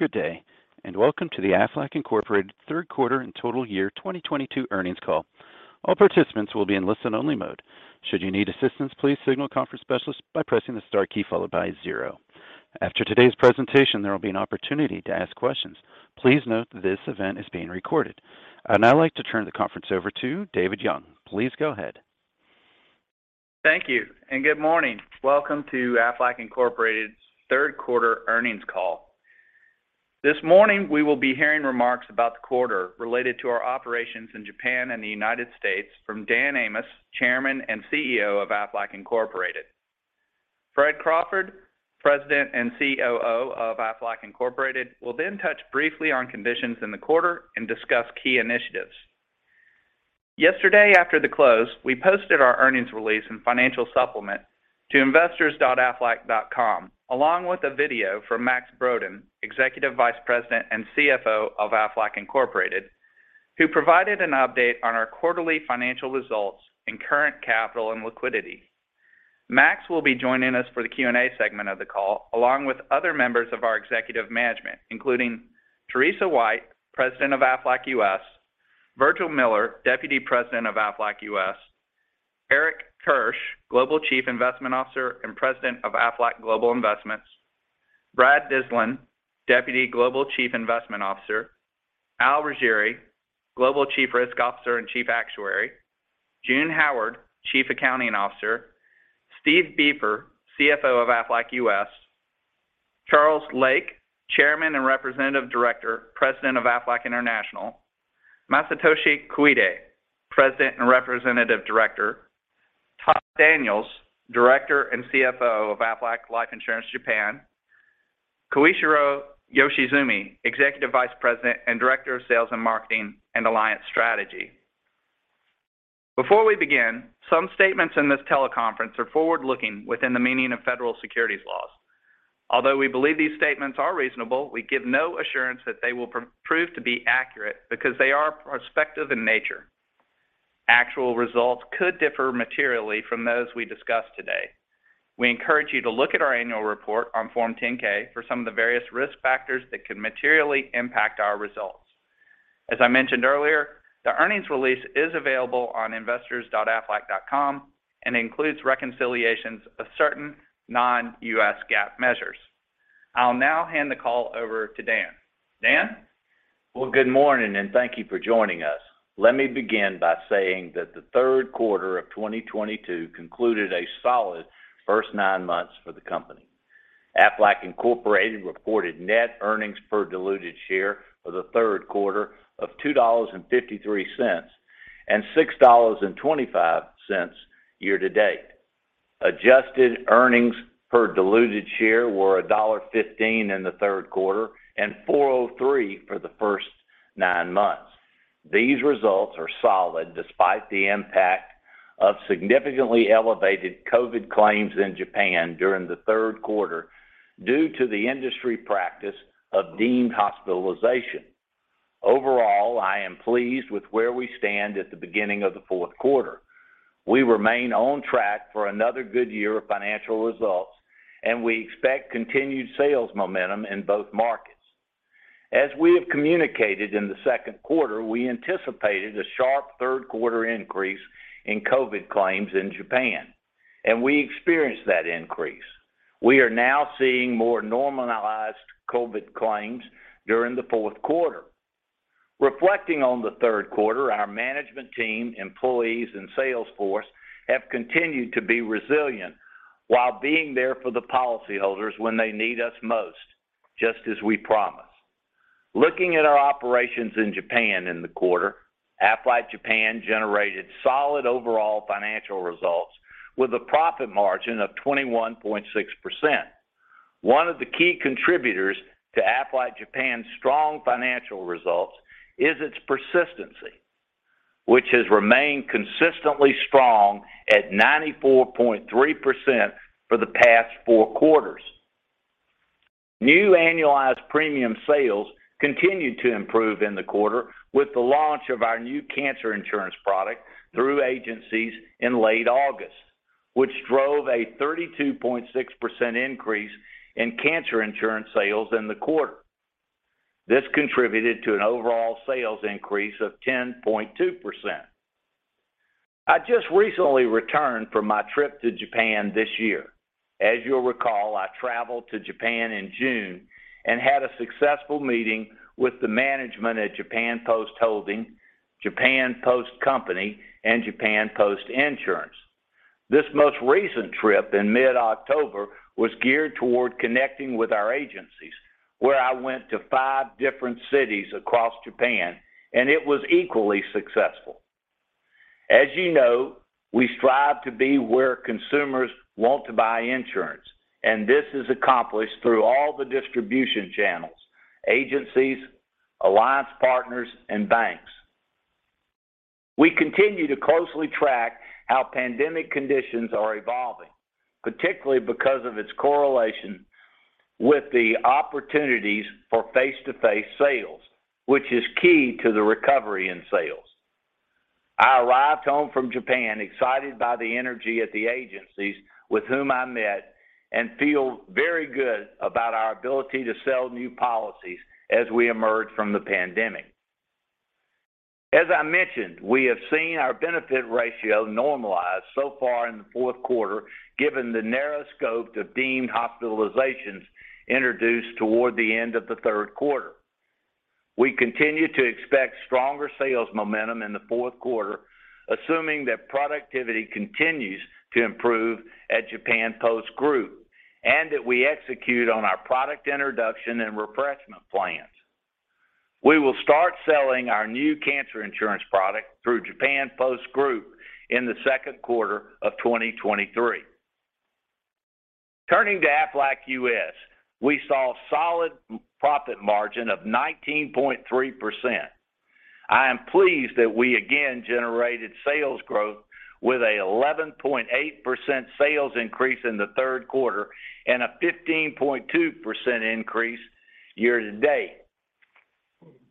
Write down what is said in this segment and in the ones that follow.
Good day, and welcome to the Aflac Incorporated Q3 and full year 2022 earnings call. All participants will be in listen-only mode. If you need assistance, please contact the conference specialist by pressing the star key followed by zero. After today's presentation, there will be an opportunity to ask questions. Please note this event is being recorded. I'd now like to turn the conference over to David Young. Please go ahead. Thank you and good morning. Welcome to Aflac Incorporated's Q3 earnings call. This morning, we will be hearing remarks about the quarter related to our operations in Japan and the United States from Dan Amos, Chairman and CEO of Aflac Incorporated. Fred Crawford, President and COO of Aflac Incorporated, will then touch briefly on conditions in the quarter and discuss key initiatives. Yesterday after the close, we posted our earnings release and financial supplement to investors.aflac.com, along with a video from Max Brodén, Executive Vice President and CFO of Aflac Incorporated, who provided an update on our quarterly financial results including current capital and liquidity. Max will be joining us for the Q&A segment of the call, along with other members of our executive management, including Teresa White, President of Aflac U.S., Virgil Miller, Deputy President of Aflac U.S., Eric Kirsch, Global Chief Investment Officer and President of Aflac Global Investments, Brad Dyslin, Deputy Global Chief Investment Officer, Al Riggieri, Global Chief Risk Officer and Chief Actuary, June Howard, Chief Accounting Officer, Steven Beaver, CFO of Aflac U.S., Charles Lake, Chairman and Representative Director, President of Aflac International, Masatoshi Koide, President and Representative Director, Todd Daniels, Director and CFO of Aflac Life Insurance Japan, Koichiro Yoshizumi, Executive Vice President and Director of Sales and Marketing and Alliance Strategy. Before we begin, some statements in this teleconference are forward-looking within the meaning of federal securities laws. Although we believe these statements are reasonable, we give no assurance that they will prove to be accurate because they are prospective in nature. Actual results could differ materially from those we discuss today. We encourage you to look at our annual report on Form 10-K for some of the various risk factors that could materially impact our results. As I mentioned earlier, the earnings release is available on investors.aflac.com and includes reconciliations of certain non-U.S. GAAP measures. I'll now hand the call over to Dan. Dan? Well, good morning and thank you for joining us. Let me begin by saying that the Q3 of 2022 concluded a solid first nine months for the company. Aflac Incorporated reported net earnings per diluted share for the Q3 of $2.53 and $6.25 year to date. Adjusted earnings per diluted share were $1.15 in the Q3 and $4.03 for the first nine months. These results are solid despite the impact of significantly elevated COVID claims in Japan during the Q3 due to the industry practice of deemed hospitalization. Overall, I am pleased with where we stand at the beginning of the Q4. We remain on track for another good year of financial results, and we expect continued sales momentum in both markets. As we have communicated in the Q2, we anticipated a sharp Q3 increase in COVID claims in Japan, and we experienced that increase. We are now seeing more normalized COVID claims during the Q4. Reflecting on the Q3, our management team, employees and sales force have continued to be resilient while being there for the policyholders when they need us most, just as we promised. Looking at our operations in Japan in the quarter, Aflac Japan generated solid overall financial results with a profit margin of 21.6%. One of the key contributors to Aflac Japan's strong financial results is its persistency, which has remained consistently strong at 94.3% for the past four quarters. New annualized premium sales continued to improve in the quarter with the launch of our new cancer insurance product through agencies in late August, which drove a 32.6% increase in cancer insurance sales in the quarter. This contributed to an overall sales increase of 10.2%. I just recently returned from my trip to Japan this year. As you'll recall, I traveled to Japan in June and had a successful meeting with the management at Japan Post Holdings, JAPAN POST Co., Ltd., and Japan Post Insurance Co., Ltd. This most recent trip in mid-October was geared toward connecting with our agencies, where I went to five different cities across Japan, and it was equally successful. As you know, we strive to be where consumers want to buy insurance, and this is accomplished through all the distribution channels, agencies, alliance partners and banks. We continue to closely track how pandemic conditions are evolving, particularly because of its correlation with the opportunities for face-to-face sales, which is key to the recovery in sales. I arrived home from Japan excited by the energy at the agencies with whom I met and feel very good about our ability to sell new policies as we emerge from the pandemic. As I mentioned, we have seen our benefit ratio normalize so far in the Q4, given the narrow scope of deemed hospitalizations introduced toward the end of the Q3. We continue to expect stronger sales momentum in the Q4, assuming that productivity continues to improve at Japan Post Group and that we execute on our product introduction and refreshment plans. We will start selling our new cancer insurance product through Japan Post Group in the Q2 of 2023. Turning to Aflac U.S., we saw a solid profit margin of 19.3%. I am pleased that we again generated sales growth with an 11.8% sales increase in the Q3 and a 15.2% increase year-to-date.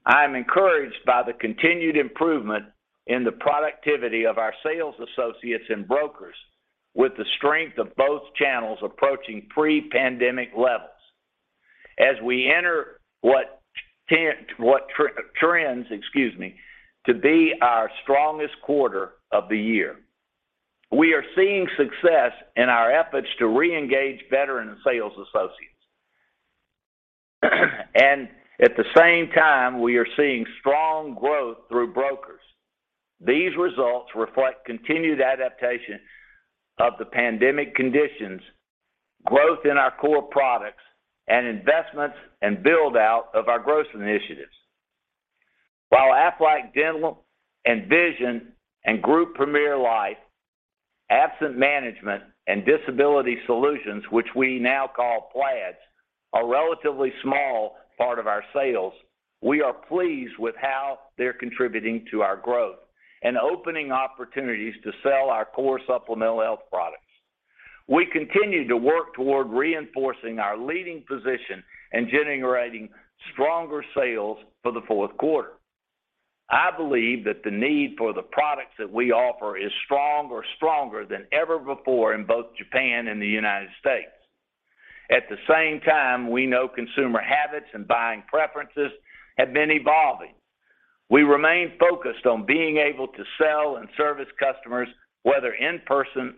I am encouraged by the continued improvement in the productivity of our sales associates and brokers, with the strength of both channels approaching pre-pandemic levels as we enter what tends to be our strongest quarter of the year. We are seeing success in our efforts to reengage veteran sales associates. At the same time, we are seeing strong growth through brokers. These results reflect continued adaptation of the pandemic conditions, growth in our core products, and investments and build-out of our growth initiatives. While Aflac Dental and Vision and Group Premier Life, Absence Management, and Disability Solutions, which we now call PLADS, are a relatively small part of our sales, we are pleased with how they're contributing to our growth and opening opportunities to sell our core supplemental health products. We continue to work toward reinforcing our leading position and generating stronger sales for the Q4. I believe that the need for the products that we offer is strong or stronger than ever before in both Japan and the United States. At the same time, we know consumer habits and buying preferences have been evolving. We remain focused on being able to sell and service customers, whether in person.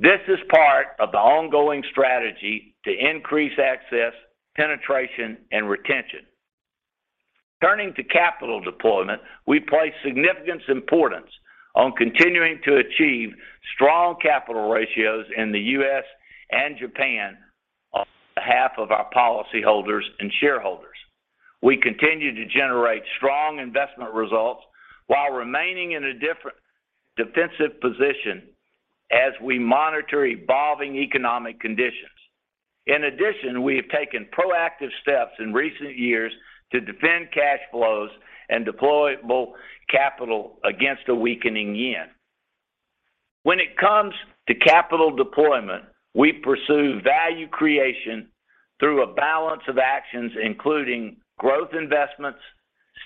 This is part of the ongoing strategy to increase access, penetration, and retention. Turning to capital deployment, we place significant importance on continuing to achieve strong capital ratios in the U.S. and Japan on behalf of our policyholders and shareholders. We continue to generate strong investment results while remaining in a deliberately defensive position as we monitor evolving economic conditions. In addition, we have taken proactive steps in recent years to defend cash flows and deployable capital against a weakening yen. When it comes to capital deployment, we pursue value creation through a balance of actions, including growth investments,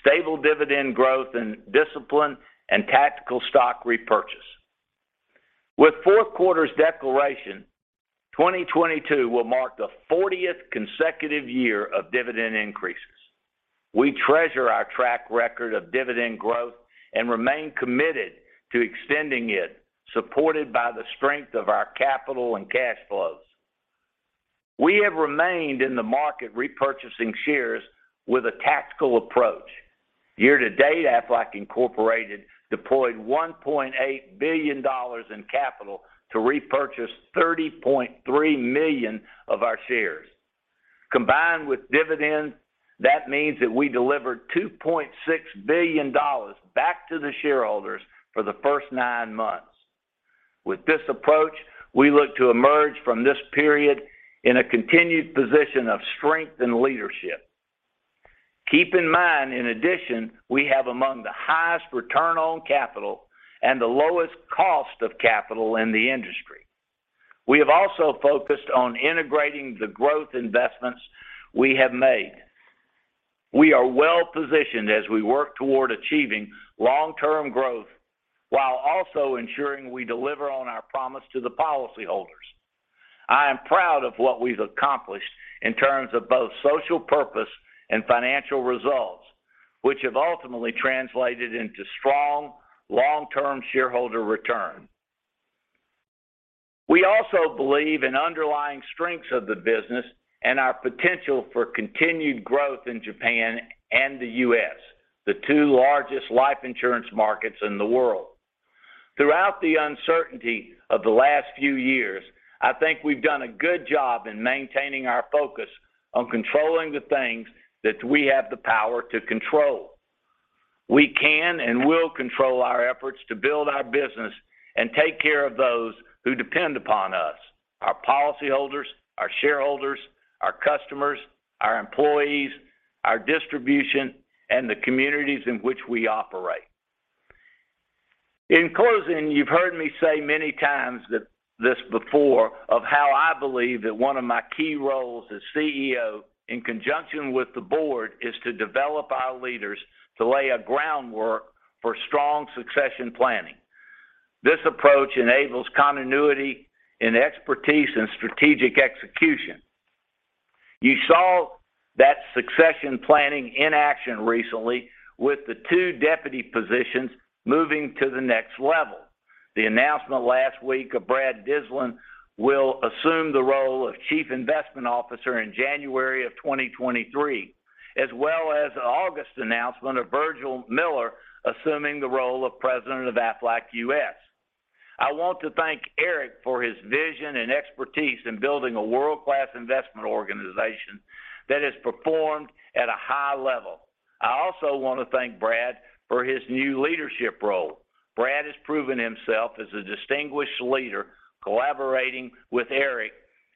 stable dividend growth and discipline, and tactical stock repurchase. With Q4's declaration, 2022 will mark the fortieth consecutive year of dividend increases. We treasure our track record of dividend growth and remain committed to extending it, supported by the strength of our capital and cash flows. We have remained in the market repurchasing shares with a tactical approach. Year to date, Aflac Incorporated deployed $1.8 billion in capital to repurchase 30.3 million of our shares. Combined with dividends, that means that we delivered $2.6 billion back to the shareholders for the first nine months. With this approach, we look to emerge from this period in a continued position of strength and leadership. Keep in mind, in addition, we have among the highest return on capital and the lowest cost of capital in the industry. We have also focused on integrating the growth investments we have made. We are well positioned as we work toward achieving long-term growth while also ensuring we deliver on our promise to the policyholders. I am proud of what we've accomplished in terms of both social purpose and financial results, which have ultimately translated into strong long-term shareholder return. We also believe in underlying strengths of the business and our potential for continued growth in Japan and the U.S., the two largest life insurance markets in the world. Throughout the uncertainty of the last few years, I think we've done a good job in maintaining our focus on controlling the things that we have the power to control. We can and will control our efforts to build our business and take care of those who depend upon us, our policyholders, our shareholders, our customers, our employees, our distribution, and the communities in which we operate. In closing, you've heard me say many times this before of how I believe that one of my key roles as CEO in conjunction with the board is to develop our leaders to lay a groundwork for strong succession planning. This approach enables continuity in expertise and strategic execution. You saw that succession planning in action recently with the two deputy positions moving to the next level. The announcement last week of Brad Dyslin will assume the role of Chief Investment Officer in January of 2023, as well as an August announcement of Virgil Miller assuming the role of President of Aflac U.S. I want to thank Eric for his vision and expertise in building a world-class investment organization that has performed at a high level. I also want to thank Brad for his new leadership role. Brad has proven himself as a distinguished leader, collaborating with Eric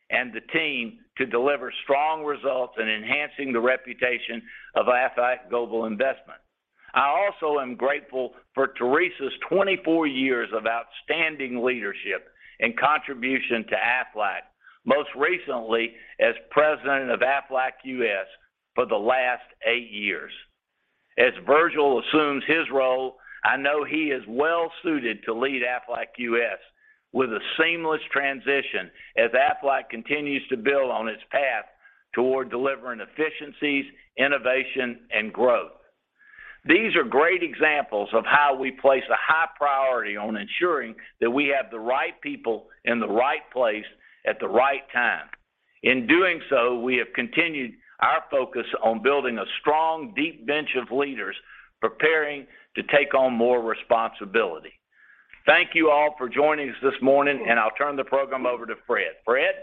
and the team to deliver strong results and enhancing the reputation of Aflac Global Investments. I also am grateful for Teresa's 24 years of outstanding leadership and contribution to Aflac, most recently as President of Aflac U.S. for the last eight years. As Virgil assumes his role, I know he is well-suited to lead Aflac U.S. with a seamless transition as Aflac continues to build on its path toward delivering efficiencies, innovation, and growth. These are great examples of how we place a high priority on ensuring that we have the right people in the right place at the right time. In doing so, we have continued our focus on building a strong, deep bench of leaders preparing to take on more responsibility. Thank you all for joining us this morning, and I'll turn the program over to Fred. Fred?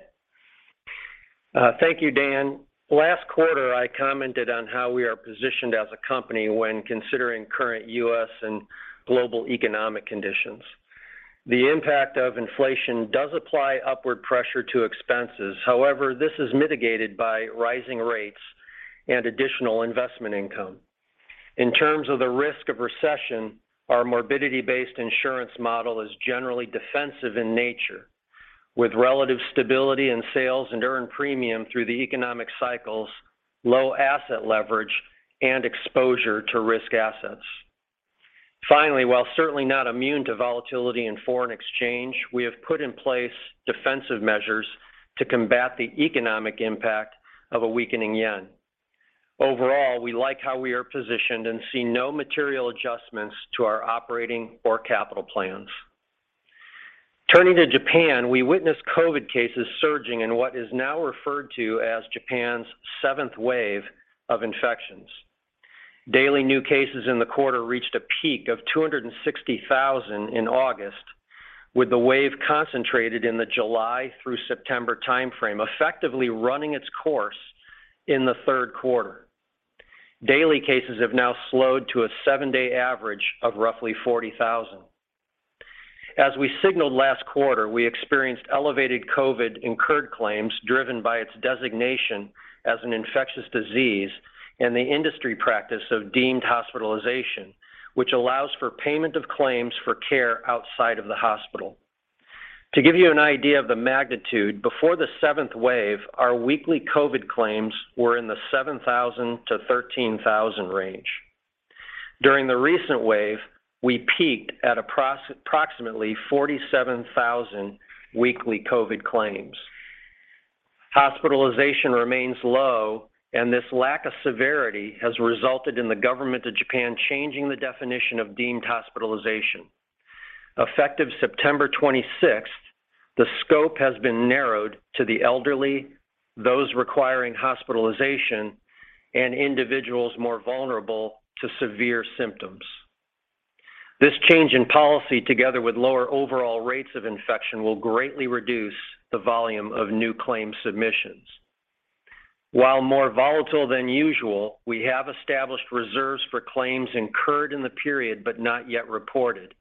Thank you, Dan. Last quarter, I commented on how we are positioned as a company when considering current U.S. and global economic conditions. The impact of inflation does apply upward pressure to expenses. However, this is mitigated by rising rates and additional investment income. In terms of the risk of recession, our morbidity-based insurance model is generally defensive in nature, with relative stability in sales and earned premium through the economic cycles, low asset leverage, and exposure to risk assets. Finally, while certainly not immune to volatility in foreign exchange, we have put in place defensive measures to combat the economic impact of a weakening yen. Overall, we like how we are positioned and see no material adjustments to our operating or capital plans. Turning to Japan, we witnessed COVID cases surging in what is now referred to as Japan's seventh wave of infections. Daily new cases in the quarter reached a peak of 260,000 in August, with the wave concentrated in the July through September timeframe, effectively running its course in the Q3. Daily cases have now slowed to a seven-day average of roughly 40,000. As we signaled last quarter, we experienced elevated COVID incurred claims driven by its designation as an infectious disease and the industry practice of deemed hospitalization, which allows for payment of claims for care outside of the hospital. To give you an idea of the magnitude, before the seventh wave, our weekly COVID claims were in the 7,000-13,000 range. During the recent wave, we peaked at approximately 47,000 weekly COVID claims. Hospitalization remains low, and this lack of severity has resulted in the government of Japan changing the definition of deemed hospitalization. Effective September 26th, the scope has been narrowed to the elderly, those requiring hospitalization, and individuals more vulnerable to severe symptoms. This change in policy, together with lower overall rates of infection, will greatly reduce the volume of new claim submissions. While more volatile than usual, we have established reserves for claims incurred in the period but not yet reported.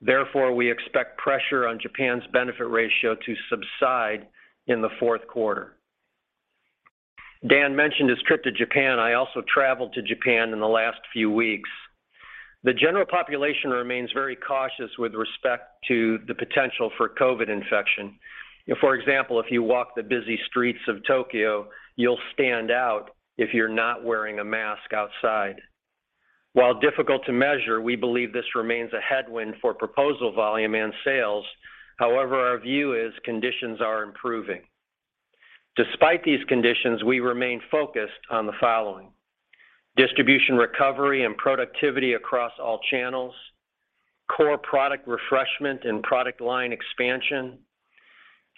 Therefore, we expect pressure on Japan's benefit ratio to subside in the Q4. Dan mentioned his trip to Japan. I also traveled to Japan in the last few weeks. The general population remains very cautious with respect to the potential for COVID infection. For example, if you walk the busy streets of Tokyo, you'll stand out if you're not wearing a mask outside. While difficult to measure, we believe this remains a headwind for proposal volume and sales. However, our view is conditions are improving. Despite these conditions, we remain focused on the following. Distribution recovery and productivity across all channels, core product refreshment and product line expansion,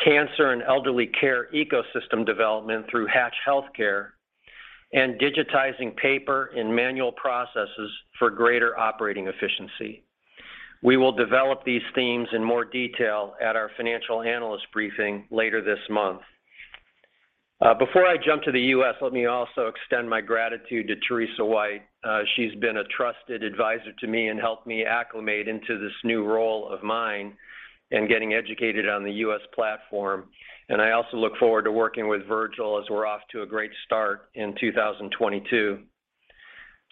cancer and elderly care ecosystem development through Hatch Healthcare, and digitizing paper and manual processes for greater operating efficiency. We will develop these themes in more detail at our financial analyst briefing later this month. Before I jump to the U.S., let me also extend my gratitude to Teresa White. She's been a trusted advisor to me and helped me acclimate into this new role of mine and getting educated on the U.S. platform. I also look forward to working with Virgil as we're off to a great start in 2022.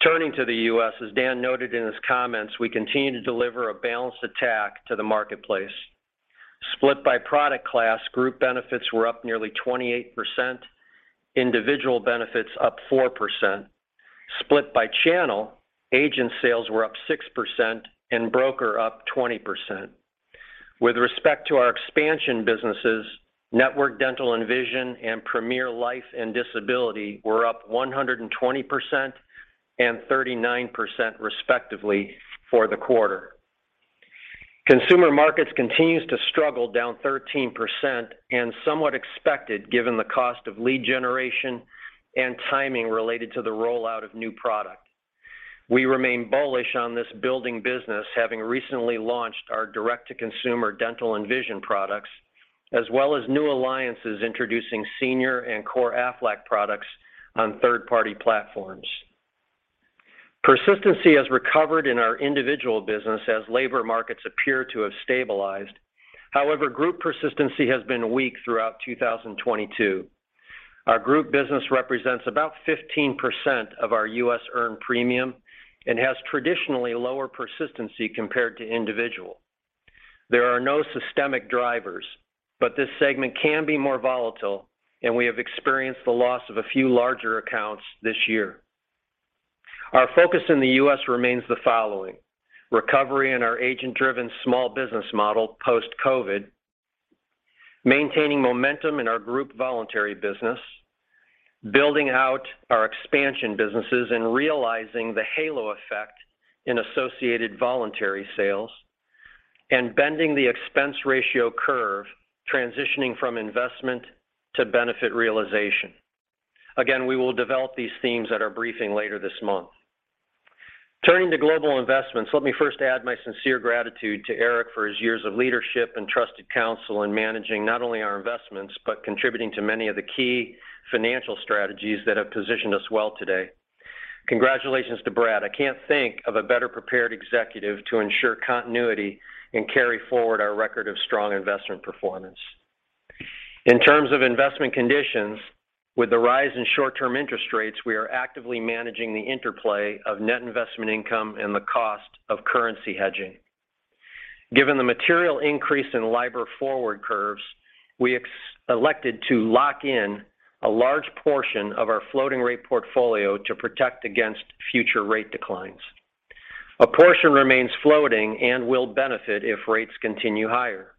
Turning to the U.S., as Dan noted in his comments, we continue to deliver a balanced attack to the marketplace. Split by product class, group benefits were up nearly 28%, individual benefits up 4%. Split by channel, agent sales were up 6% and broker up 20%. With respect to our expansion businesses, Network Dental and Vision and Premier Life and Disability were up 120% and 39% respectively for the quarter. Consumer markets continues to struggle down 13% and somewhat expected given the cost of lead generation and timing related to the rollout of new product. We remain bullish on this building business, having recently launched our direct-to-consumer dental and vision products, as well as new alliances introducing senior and core Aflac products on third-party platforms. Persistency has recovered in our individual business as labor markets appear to have stabilized. However, group persistency has been weak throughout 2022. Our group business represents about 15% of our U.S. earned premium and has traditionally lower persistency compared to individual. There are no systemic drivers, but this segment can be more volatile, and we have experienced the loss of a few larger accounts this year. Our focus in the U.S. remains the following. Recovery in our agent-driven small business model post-COVID, maintaining momentum in our group voluntary business, building out our expansion businesses and realizing the halo effect in associated voluntary sales, and bending the expense ratio curve, transitioning from investment to benefit realization. Again, we will develop these themes at our briefing later this month. Turning to global investments, let me first add my sincere gratitude to Eric for his years of leadership and trusted counsel in managing not only our investments, but contributing to many of the key financial strategies that have positioned us well today. Congratulations to Brad. I can't think of a better-prepared executive to ensure continuity and carry forward our record of strong investment performance. In terms of investment conditions, with the rise in short-term interest rates, we are actively managing the interplay of net investment income and the cost of currency hedging. Given the material increase in LIBOR forward curves, we elected to lock in a large portion of our floating rate portfolio to protect against future rate declines. A portion remains floating and will benefit if rates continue higher.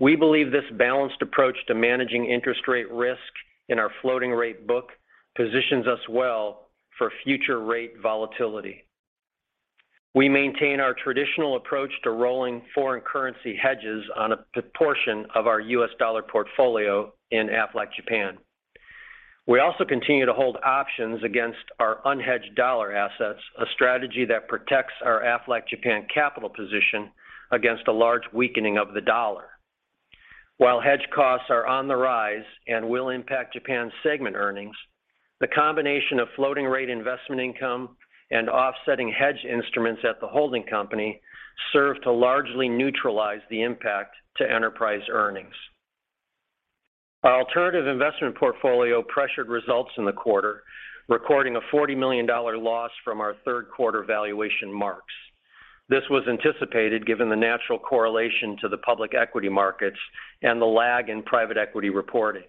We believe this balanced approach to managing interest rate risk in our floating rate book positions us well for future rate volatility. We maintain our traditional approach to rolling foreign currency hedges on a portion of our U.S. dollar portfolio in Aflac Japan. We also continue to hold options against our unhedged dollar assets, a strategy that protects our Aflac Japan capital position against a large weakening of the dollar. While hedge costs are on the rise and will impact Japan's segment earnings, the combination of floating rate investment income and offsetting hedge instruments at the holding company serve to largely neutralize the impact to enterprise earnings. Our alternative investment portfolio pressured results in the quarter, recording a $40 million loss from our Q3 valuation marks. This was anticipated given the natural correlation to the public equity markets and the lag in private equity reporting.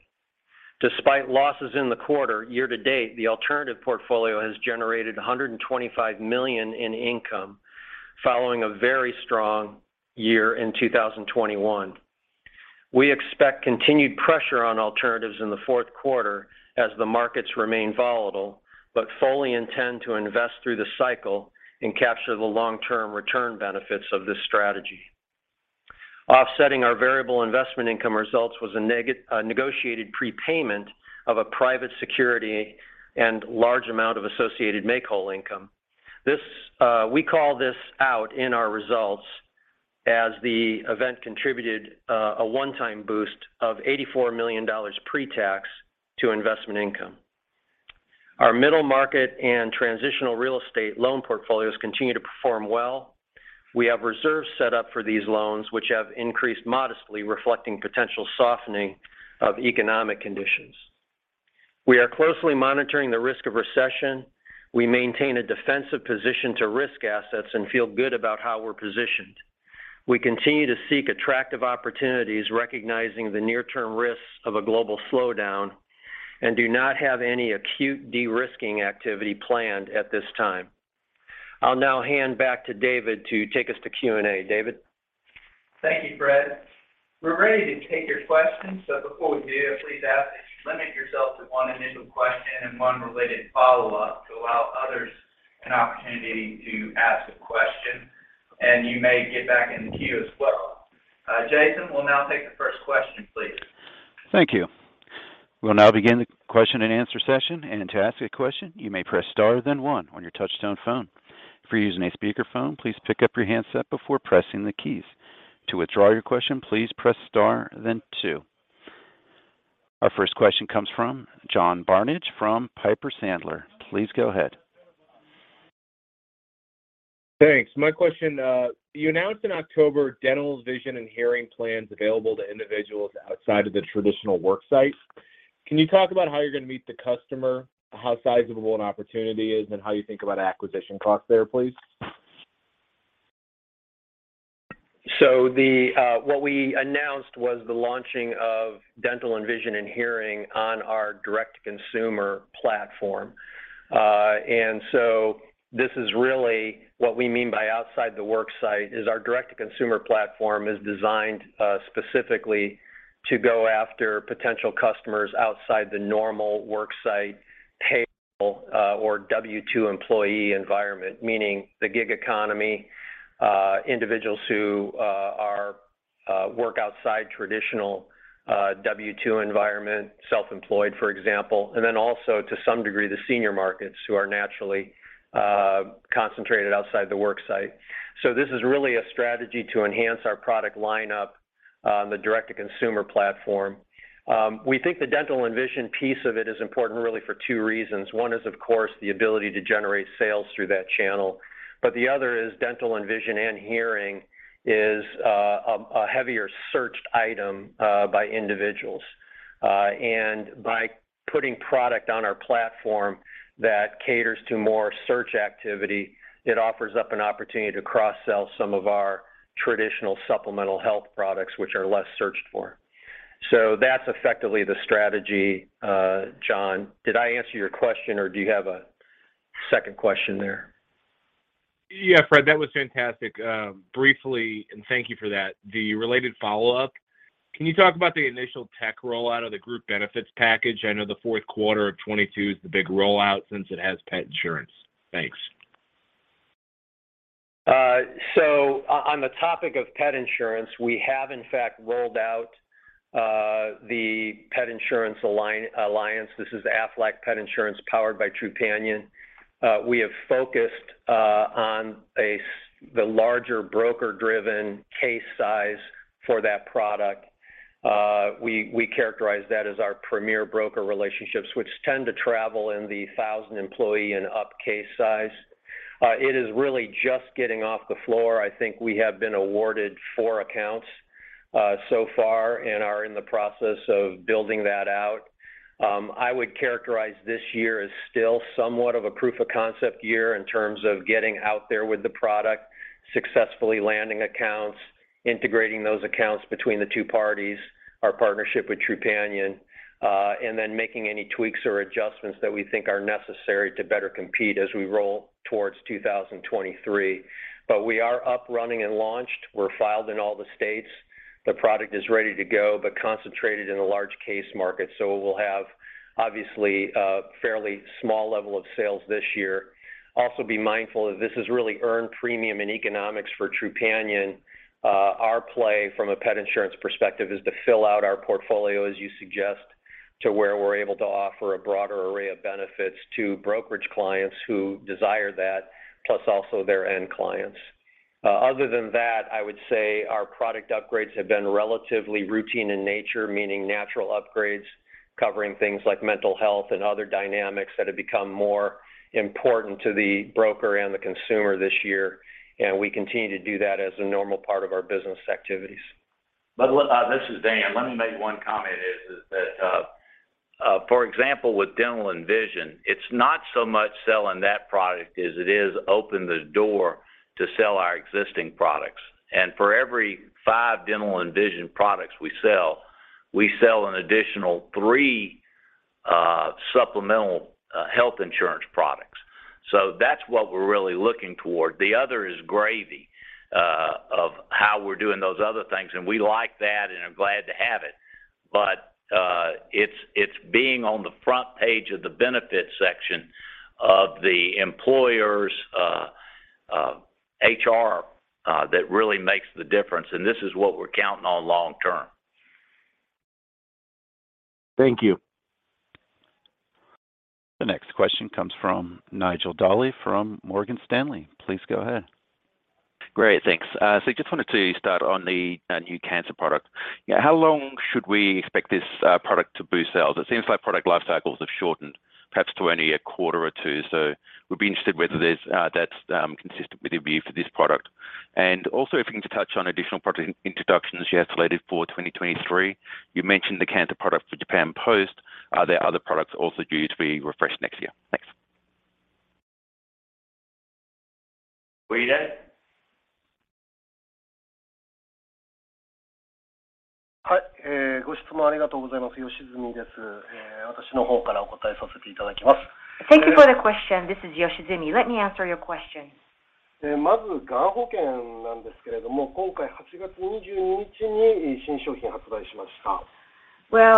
Despite losses in the quarter, year-to-date, the alternative portfolio has generated $125 million in income following a very strong year in 2021. We expect continued pressure on alternatives in the Q4 as the markets remain volatile, but fully intend to invest through the cycle and capture the long-term return benefits of this strategy. Offsetting our variable investment income results was a negotiated prepayment of a private security and large amount of associated make-whole income. This, we call this out in our results as the event contributed a one-time boost of $84 million pre-tax to investment income. Our middle market and transitional real estate loan portfolios continue to perform well. We have reserves set up for these loans, which have increased modestly reflecting potential softening of economic conditions. We are closely monitoring the risk of recession. We maintain a defensive position to risk assets and feel good about how we're positioned. We continue to seek attractive opportunities, recognizing the near-term risks of a global slowdown and do not have any acute de-risking activity planned at this time. I'll now hand back to David to take us to Q&A. David. Thank you, Fred. We're ready to take your questions. Before we do, please ask that you limit yourself to one initial question and one related follow-up to allow others an opportunity to ask a question, and you may get back in the queue as well. Jason, we'll now take the first question, please. Thank you. We'll now begin the question and answer session. To ask a question, you may press star then one on your touchtone phone. If you're using a speakerphone, please pick up your handset before pressing the keys. To withdraw your question, please press star then two. Our first question comes from John Barnidge from Piper Sandler. Please go ahead. Thanks. My question, you announced in October dental, vision, and hearing plans available to individuals outside of the traditional work site. Can you talk about how you're gonna meet the customer, how sizable an opportunity is, and how you think about acquisition costs there, please? What we announced was the launching of dental and vision and hearing on our direct-to-consumer platform. This is really what we mean by outside the work site. Our direct-to-consumer platform is designed specifically to go after potential customers outside the normal work site payable or W-2 employee environment. Meaning the gig economy, individuals who work outside traditional W-2 environment, self-employed, for example. To some degree, the senior markets who are naturally concentrated outside the work site. This is really a strategy to enhance our product lineup on the direct-to-consumer platform. We think the dental and vision piece of it is important really for two reasons. One is, of course, the ability to generate sales through that channel, but the other is Dental and Vision and hearing is a heavier searched item by individuals. By putting product on our platform that caters to more search activity, it offers up an opportunity to cross-sell some of our traditional supplemental health products which are less searched for. That's effectively the strategy, John. Did I answer your question, or do you have a second question there? Yeah, Fred, that was fantastic. Briefly, thank you for that. The related follow-up, can you talk about the initial tech rollout of the group benefits package? I know the Q4 of 2022 is the big rollout since it has pet insurance. Thanks. On the topic of pet insurance, we have in fact rolled out the pet insurance alliance. This is Aflac Pet Insurance powered by Trupanion. We have focused on the larger broker-driven case size for that product. We characterize that as our premier broker relationships, which tend to travel in the 1,000 employee and up case size. It is really just getting off the floor. I think we have been awarded four accounts so far and are in the process of building that out. I would characterize this year as still somewhat of a proof of concept year in terms of getting out there with the product, successfully landing accounts, integrating those accounts between the two parties, our partnership with Trupanion, and then making any tweaks or adjustments that we think are necessary to better compete as we roll towards 2023. We are up, running, and launched. We're filed in all the states. The product is ready to go, but concentrated in the large case market, so we'll have obviously a fairly small level of sales this year. Also, be mindful that this is really earned premium in economics for Trupanion. Our play from a pet insurance perspective is to fill out our portfolio, as you suggest, to where we're able to offer a broader array of benefits to brokerage clients who desire that, plus also their end clients. Other than that, I would say our product upgrades have been relatively routine in nature, meaning natural upgrades covering things like mental health and other dynamics that have become more important to the broker and the consumer this year, and we continue to do that as a normal part of our business activities. This is Dan. Let me make one comment is that for example, with Dental and Vision, it's not so much selling that product as it is open the door to sell our existing products. For every five Dental and Vision products we sell, we sell an additional three supplemental health insurance products. That's what we're really looking toward. The other is gravy of how we're doing those other things, and we like that and are glad to have it. It's being on the front page of the benefits section of the employer's HR that really makes the difference, and this is what we're counting on long term. Thank you. The next question comes from Nigel Dally from Morgan Stanley. Please go ahead. Great. Thanks. So just wanted to start on the new cancer product. Yeah, how long should we expect this product to boost sales? It seems like product life cycles have shortened perhaps to only a quarter or two. We'd be interested whether that's consistent with your view for this product. Also, if you can touch on additional product introductions you have slated for 2023. You mentioned the cancer product for Japan Post. Are there other products also due to be refreshed next year? Thanks. [Weedon]. Hi. Thank you for the question. This is Yoshizumi. Let me answer your question. Well,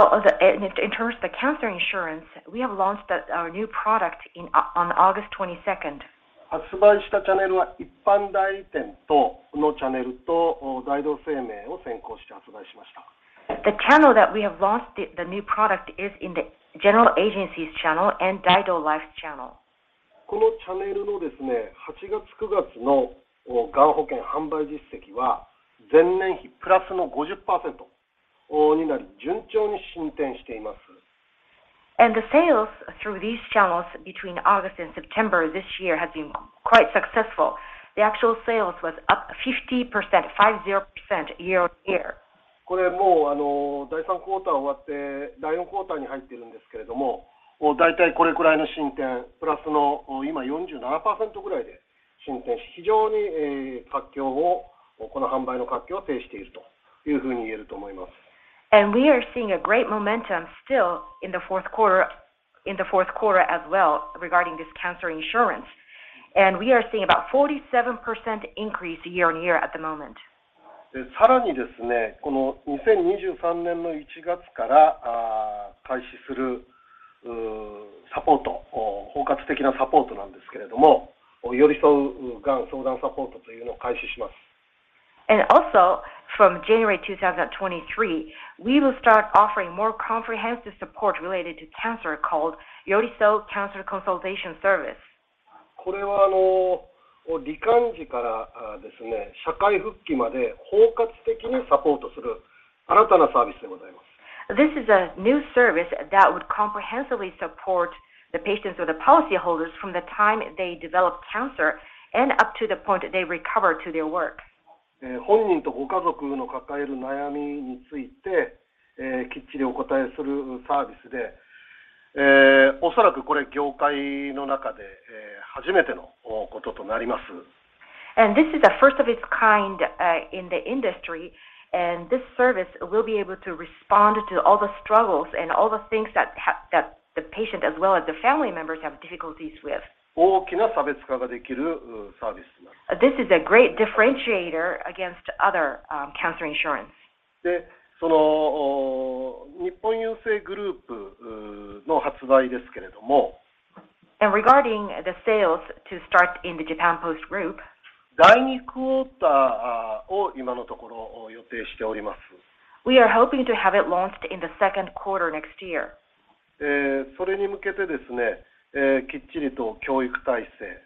in terms of the cancer insurance, we have launched our new product on August 22. The channel that we have launched the new product is in the general agencies channel and Daido Life channel. The sales through these channels between August and September this year has been quite successful. The actual sales was up 50%, 50% year-on-year. We are seeing a great momentum still in the Q4 as well regarding this cancer insurance. We are seeing about 47% increase year-on-year at the moment. Also from January 2023, we will start offering more comprehensive support related to cancer called Yoriso Cancer Consultation Service. This is a new service that would comprehensively support the patients or the policyholders from the time they develop cancer and up to the point they recover and return to work. This is the first of its kind in the industry, and this service will be able to respond to all the struggles and all the things that the patient as well as the family members have difficulties with. This is a great differentiator against other cancer insurance. Regarding the sales to start in the Japan Post Group. We are hoping to have it launched in the Q2 next year.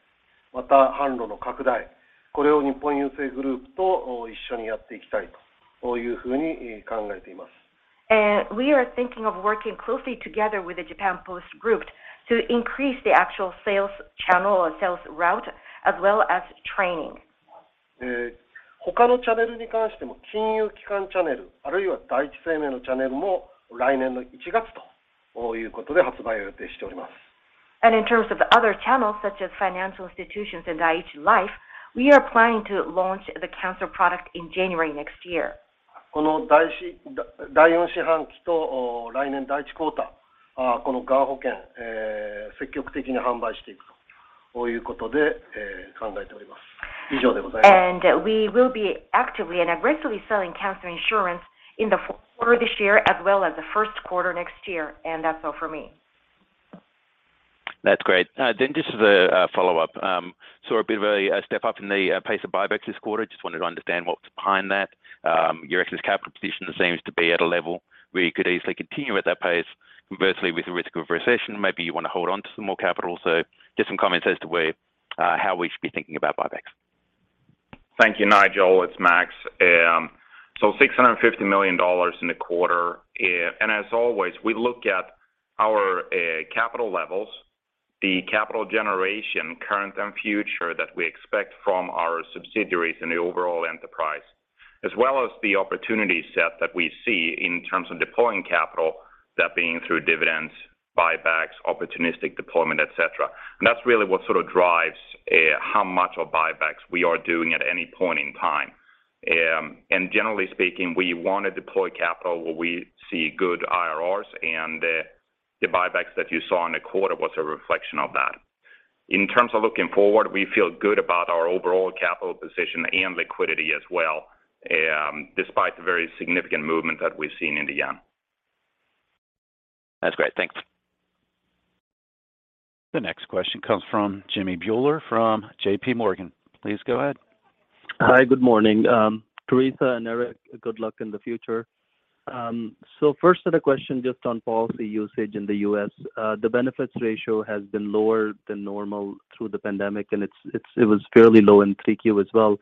We are thinking of working closely together with the Japan Post Group to increase the actual sales channel or sales route as well as training. In terms of other channels such as financial institutions and Dai-ichi Life, we are planning to launch the cancer product in January next year. We will be actively and aggressively selling cancer insurance in the Q4 this year as well as the Q1 next year. That's all for me. That's great. Then just as a follow-up. Saw a bit of a step up in the pace of buybacks this quarter. Just wanted to understand what's behind that. Your excess capital position seems to be at a level where you could easily continue at that pace. Conversely, with the risk of a recession, maybe you wanna hold on to some more capital. Just some comments as to where, how we should be thinking about buybacks. Thank you, Nigel. It's Max. $650 million in the quarter. As always, we look at our capital levels, the capital generation, current and future that we expect from our subsidiaries in the overall enterprise, as well as the opportunity set that we see in terms of deploying capital, that being through dividends, buybacks, opportunistic deployment, et cetera. That's really what sort of drives how much of buybacks we are doing at any point in time. Generally speaking, we wanna deploy capital where we see good IRRs, and the buybacks that you saw in the quarter was a reflection of that. In terms of looking forward, we feel good about our overall capital position and liquidity as well, despite the very significant movement that we've seen in the yen. That's great. Thanks. The next question comes from Jimmy Bhullar from JPMorgan. Please go ahead. Hi. Good morning. Teresa and Eric, good luck in the future. First off, the question, just on policy usage in the U.S. The benefits ratio has been lower than normal through the pandemic, and it was fairly low in 3Q as well.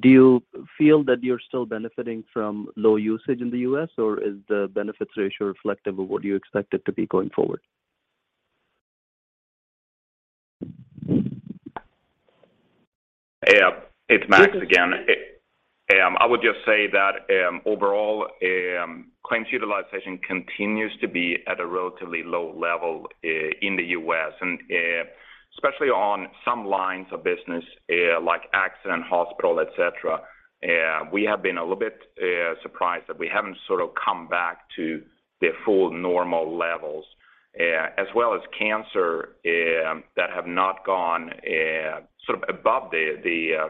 Do you feel that you're still benefiting from low usage in the U.S., or is the benefits ratio reflective of what you expect it to be going forward? Yeah, it's Max again. I would just say that, overall, claims utilization continues to be at a relatively low level, in the U.S. Especially on some lines of business, like accident, hospital, et cetera, we have been a little bit surprised that we haven't sort of come back to the full normal levels, as well as cancer, that have not gone sort of above the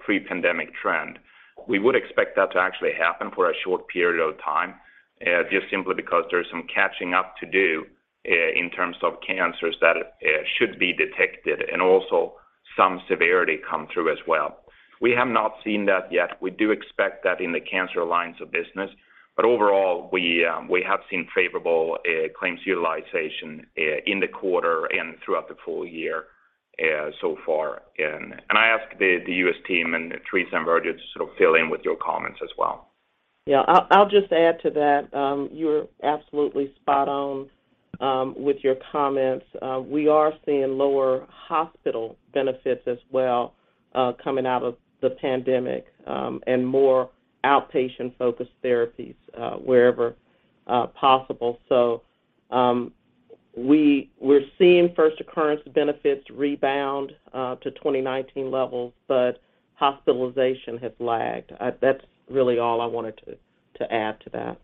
pre-pandemic trend. We would expect that to actually happen for a short period of time, just simply because there's some catching up to do, in terms of cancers that should be detected and also some severity come through as well. We have not seen that yet. We do expect that in the cancer lines of business. Overall, we have seen favorable claims utilization in the quarter and throughout the full year. I ask the U.S. team and Teresa and Virgil to sort of fill in with your comments as well. Yeah. I'll just add to that. You're absolutely spot on with your comments. We are seeing lower hospital benefits as well, coming out of the pandemic, and more outpatient-focused therapies, wherever possible. We're seeing first occurrence benefits rebound to 2019 levels, but hospitalization has lagged. That's really all I wanted to add to that.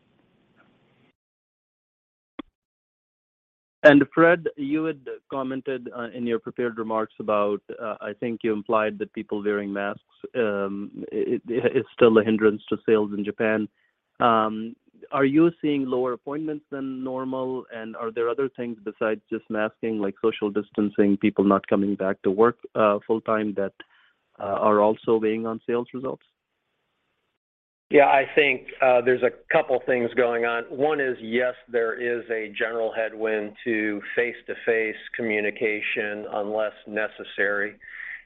Fred, you had commented in your prepared remarks about, I think you implied that people wearing masks, it's still a hindrance to sales in Japan. Are you seeing lower appointments than normal, and are there other things besides just masking, like social distancing, people not coming back to work full-time that are also weighing on sales results? Yeah. I think there's a couple things going on. One is, yes, there is a general headwind to face-to-face communication unless necessary.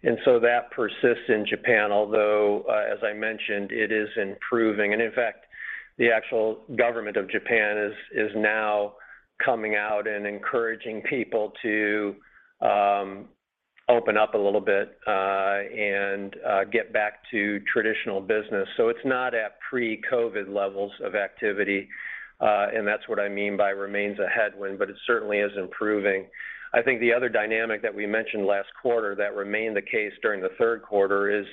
That persists in Japan, although, as I mentioned, it is improving. In fact, the actual government of Japan is now coming out and encouraging people to open up a little bit, and get back to traditional business. It's not at pre-COVID levels of activity, and that's what I mean by remains a headwind, but it certainly is improving. I think the other dynamic that we mentioned last quarter that remained the case during the Q3 is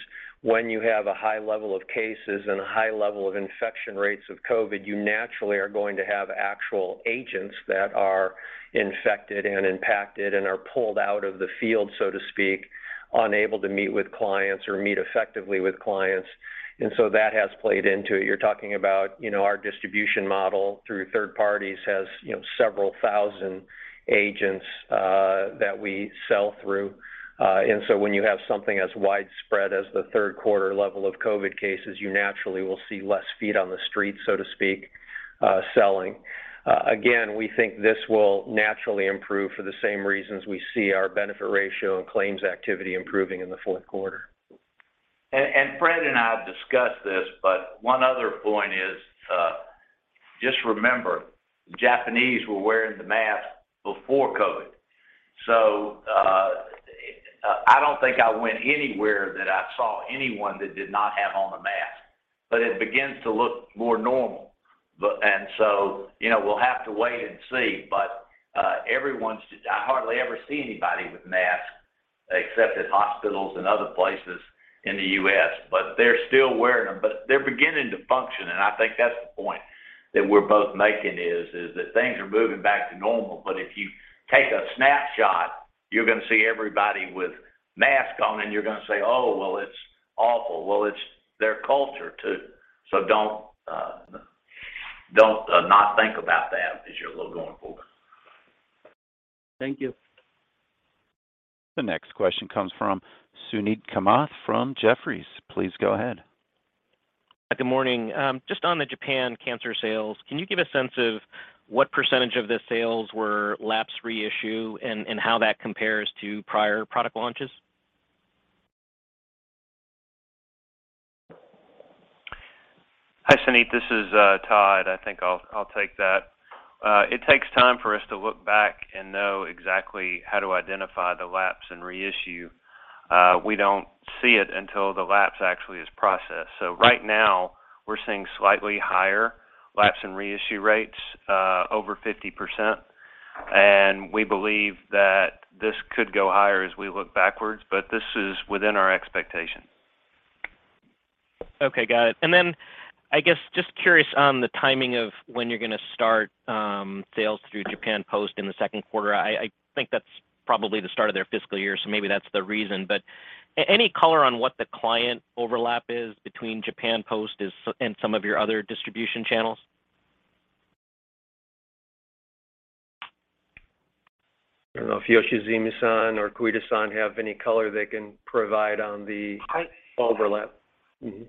when you have a high level of cases and a high level of infection rates of COVID, you naturally are going to have actual agents that are infected and impacted and are pulled out of the field, so to speak, unable to meet with clients or meet effectively with clients. That has played into it. You're talking about, you know, our distribution model through third parties has, you know, several thousand agents that we sell through. When you have something as widespread as the Q3 level of COVID cases, you naturally will see less feet on the street, so to speak, selling. Again, we think this will naturally improve for the same reasons we see our benefit ratio and claims activity improving in the Q4. Fred and I have discussed this, but one other point is, just remember, Japanese were wearing the mask before COVID. I don't think I went anywhere that I saw anyone that did not have on a mask. It begins to look more normal. You know, we'll have to wait and see. I hardly ever see anybody with masks except at hospitals and other places in the U.S., but they're still wearing them. They're beginning to function, and I think that's the point that we're both making is that things are moving back to normal. If you take a snapshot, you're gonna see everybody with masks on, and you're gonna say, "Oh, well, it's awful." Well, it's their culture, too. Don't not think about that as you're looking going forward. Thank you. The next question comes from Suneet Kamath from Jefferies. Please go ahead. Good morning. Just on the Japan cancer sales, can you give a sense of what percentage of the sales were lapse reissue and how that compares to prior product launches? Hi, Suneet. This is Todd. I think I'll take that. It takes time for us to look back and know exactly how to identify the lapse and reissue. We don't see it until the lapse actually is processed. Right now, we're seeing slightly higher lapse and reissue rates over 50%. We believe that this could go higher as we look backwards, but this is within our expectation. Okay. Got it. I guess just curious on the timing of when you're gonna start sales through Japan Post in the Q2. I think that's probably the start of their fiscal year, so maybe that's the reason. Any color on what the client overlap is between Japan Post and some of your other distribution channels? I don't know if Yoshizumi-san or Koide-san have any color they can provide on the. Hi. -overlap. Mm-hmm.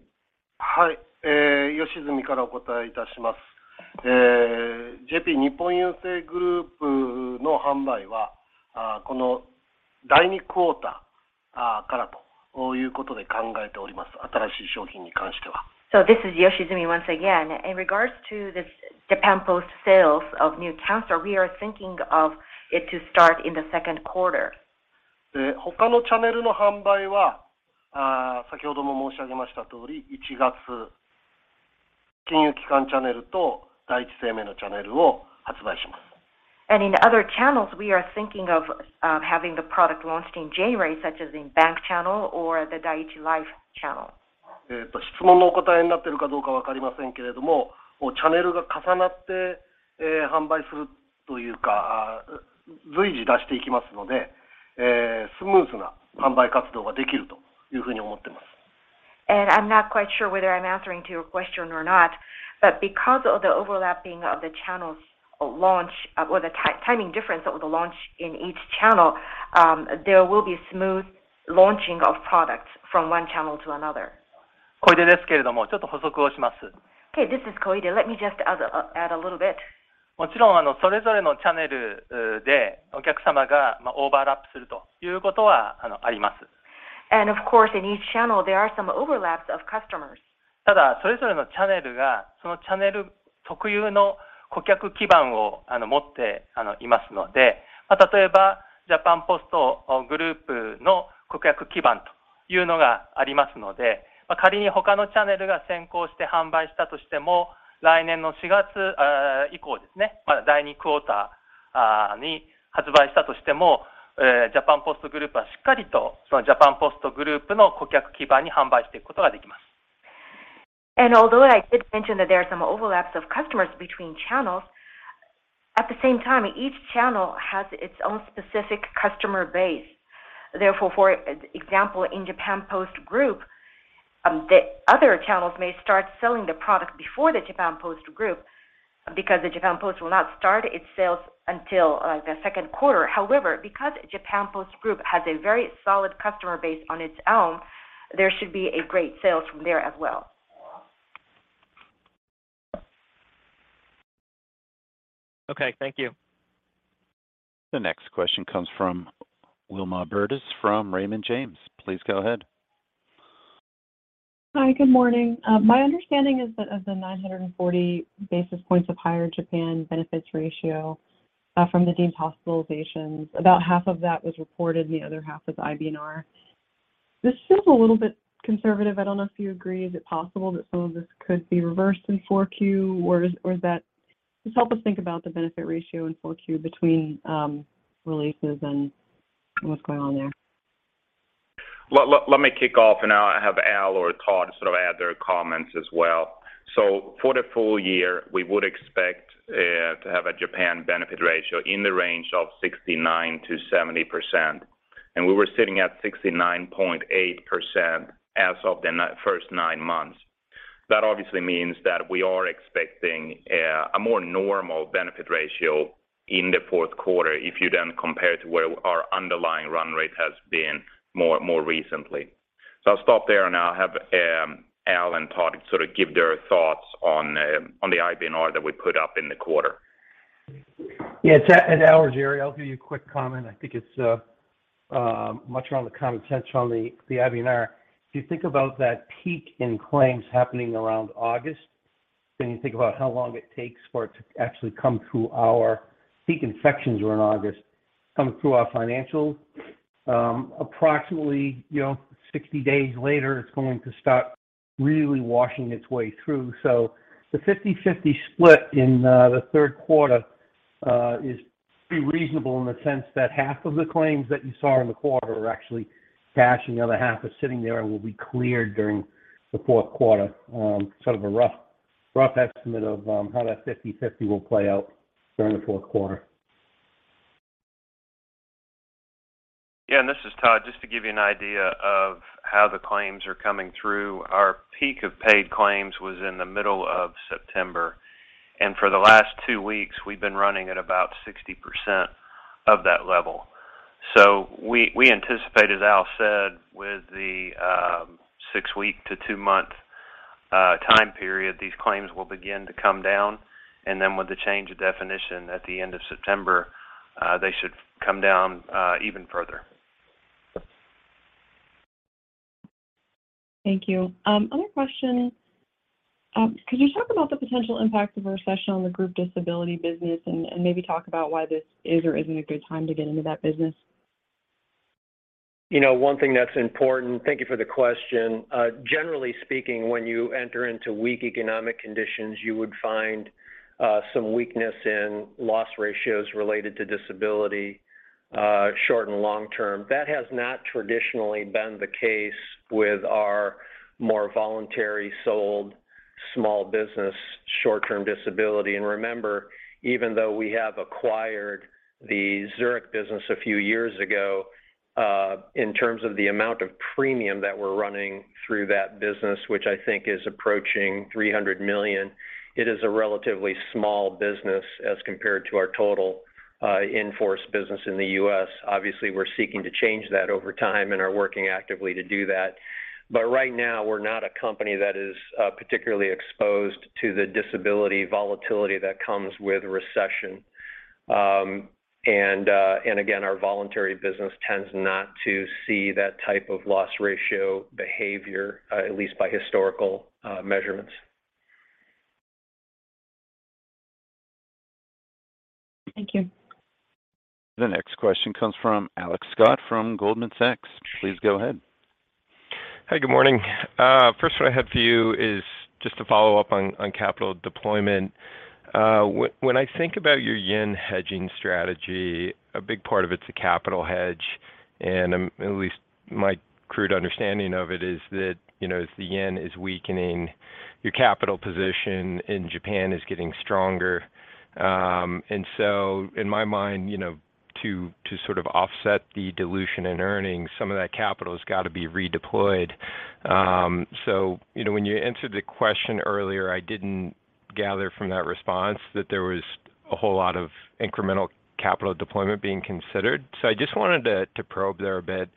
Hi. So this is Koichiro Yoshizumi once again. In regards to this Japan Post sales of new cancer, we are thinking of it to start in the Q2. In other channels, we are thinking of having the product launched in January, such as in bank channel or the Dai-ichi Life channel. I'm not quite sure whether I'm answering to your question or not, but because of the overlapping of the channels launch, or the timing difference of the launch in each channel, there will be smooth launching of products from one channel to another. Okay, this is Koide. Let me just add a little bit. Of course, in each channel there are some overlaps of customers. Although I did mention that there are some overlaps of customers between channels, at the same time, each channel has its own specific customer base. Therefore, for example, in Japan Post Group, the other channels may start selling the product before the Japan Post Group because the Japan Post will not start its sales until the Q2. However, because Japan Post Group has a very solid customer base on its own, there should be a great sales from there as well. Okay, thank you. The next question comes from Wilma Burdis from Raymond James. Please go ahead. Hi. Good morning. My understanding is that of the 940 basis points of higher Japan benefits ratio, from the deemed hospitalizations, about half of that was reported, and the other half was IBNR. This seems a little bit conservative. I don't know if you agree. Is it possible that some of this could be reversed in 4Q. Just help us think about the benefit ratio in 4Q between releases and what's going on there. Let me kick off, and I'll have Al or Todd sort of add their comments as well. For the full year, we would expect to have a Japan benefit ratio in the range of 69%-70%. We were sitting at 69.8% as of the first nine months. That obviously means that we are expecting a more normal benefit ratio in the Q4 if you then compare to where our underlying run rate has been more recently. I'll stop there, and I'll have Al and Todd sort of give their thoughts on the IBNR that we put up in the quarter. Yes, it's Al Riggieri. I'll give you a quick comment. I think it's much around the common sense around the IBNR. If you think about that peak in claims happening around August, then you think about how long it takes for it to actually come through. Our peak infections were in August, come through our financials, approximately, you know, 60 days later, it's going to start really washing its way through. The 50/50 split in the Q3 is pretty reasonable in the sense that half of the claims that you saw in the quarter are actually cash and the other half is sitting there and will be cleared during the Q4. Sort of a rough estimate of how that 50/50 will play out during the Q4. Yeah, this is Todd. Just to give you an idea of how the claims are coming through, our peak of paid claims was in the middle of September, and for the last 2 weeks we've been running at about 60% of that level. We anticipate, as Al said, with the six week to two month time period, these claims will begin to come down. With the change of definition at the end of September, they should come down even further. Thank you. Other question, could you talk about the potential impact of a recession on the group disability business and maybe talk about why this is or isn't a good time to get into that business? You know, one thing that's important. Thank you for the question. Generally speaking, when you enter into weak economic conditions, you would find some weakness in loss ratios related to disability, short and long term. That has not traditionally been the case with our more voluntary sold small business short-term disability. Remember, even though we have acquired the Zurich business a few years ago, in terms of the amount of premium that we're running through that business, which I think is approaching $300 million, it is a relatively small business as compared to our total, in-force business in the U.S. Obviously, we're seeking to change that over time and are working actively to do that. Right now, we're not a company that is particularly exposed to the disability volatility that comes with recession. Again, our voluntary business tends not to see that type of loss ratio behavior, at least by historical measurements. Thank you. The next question comes from Alex Scott from Goldman Sachs. Please go ahead. Hi. Good morning. First one I have for you is just a follow-up on capital deployment. When I think about your yen hedging strategy, a big part of it's a capital hedge, and at least my crude understanding of it is that, you know, as the yen is weakening, your capital position in Japan is getting stronger. In my mind, you know, to sort of offset the dilution in earnings, some of that capital has got to be redeployed. You know, when you answered the question earlier, I didn't gather from that response that there was a whole lot of incremental capital deployment being considered. I just wanted to probe there a bit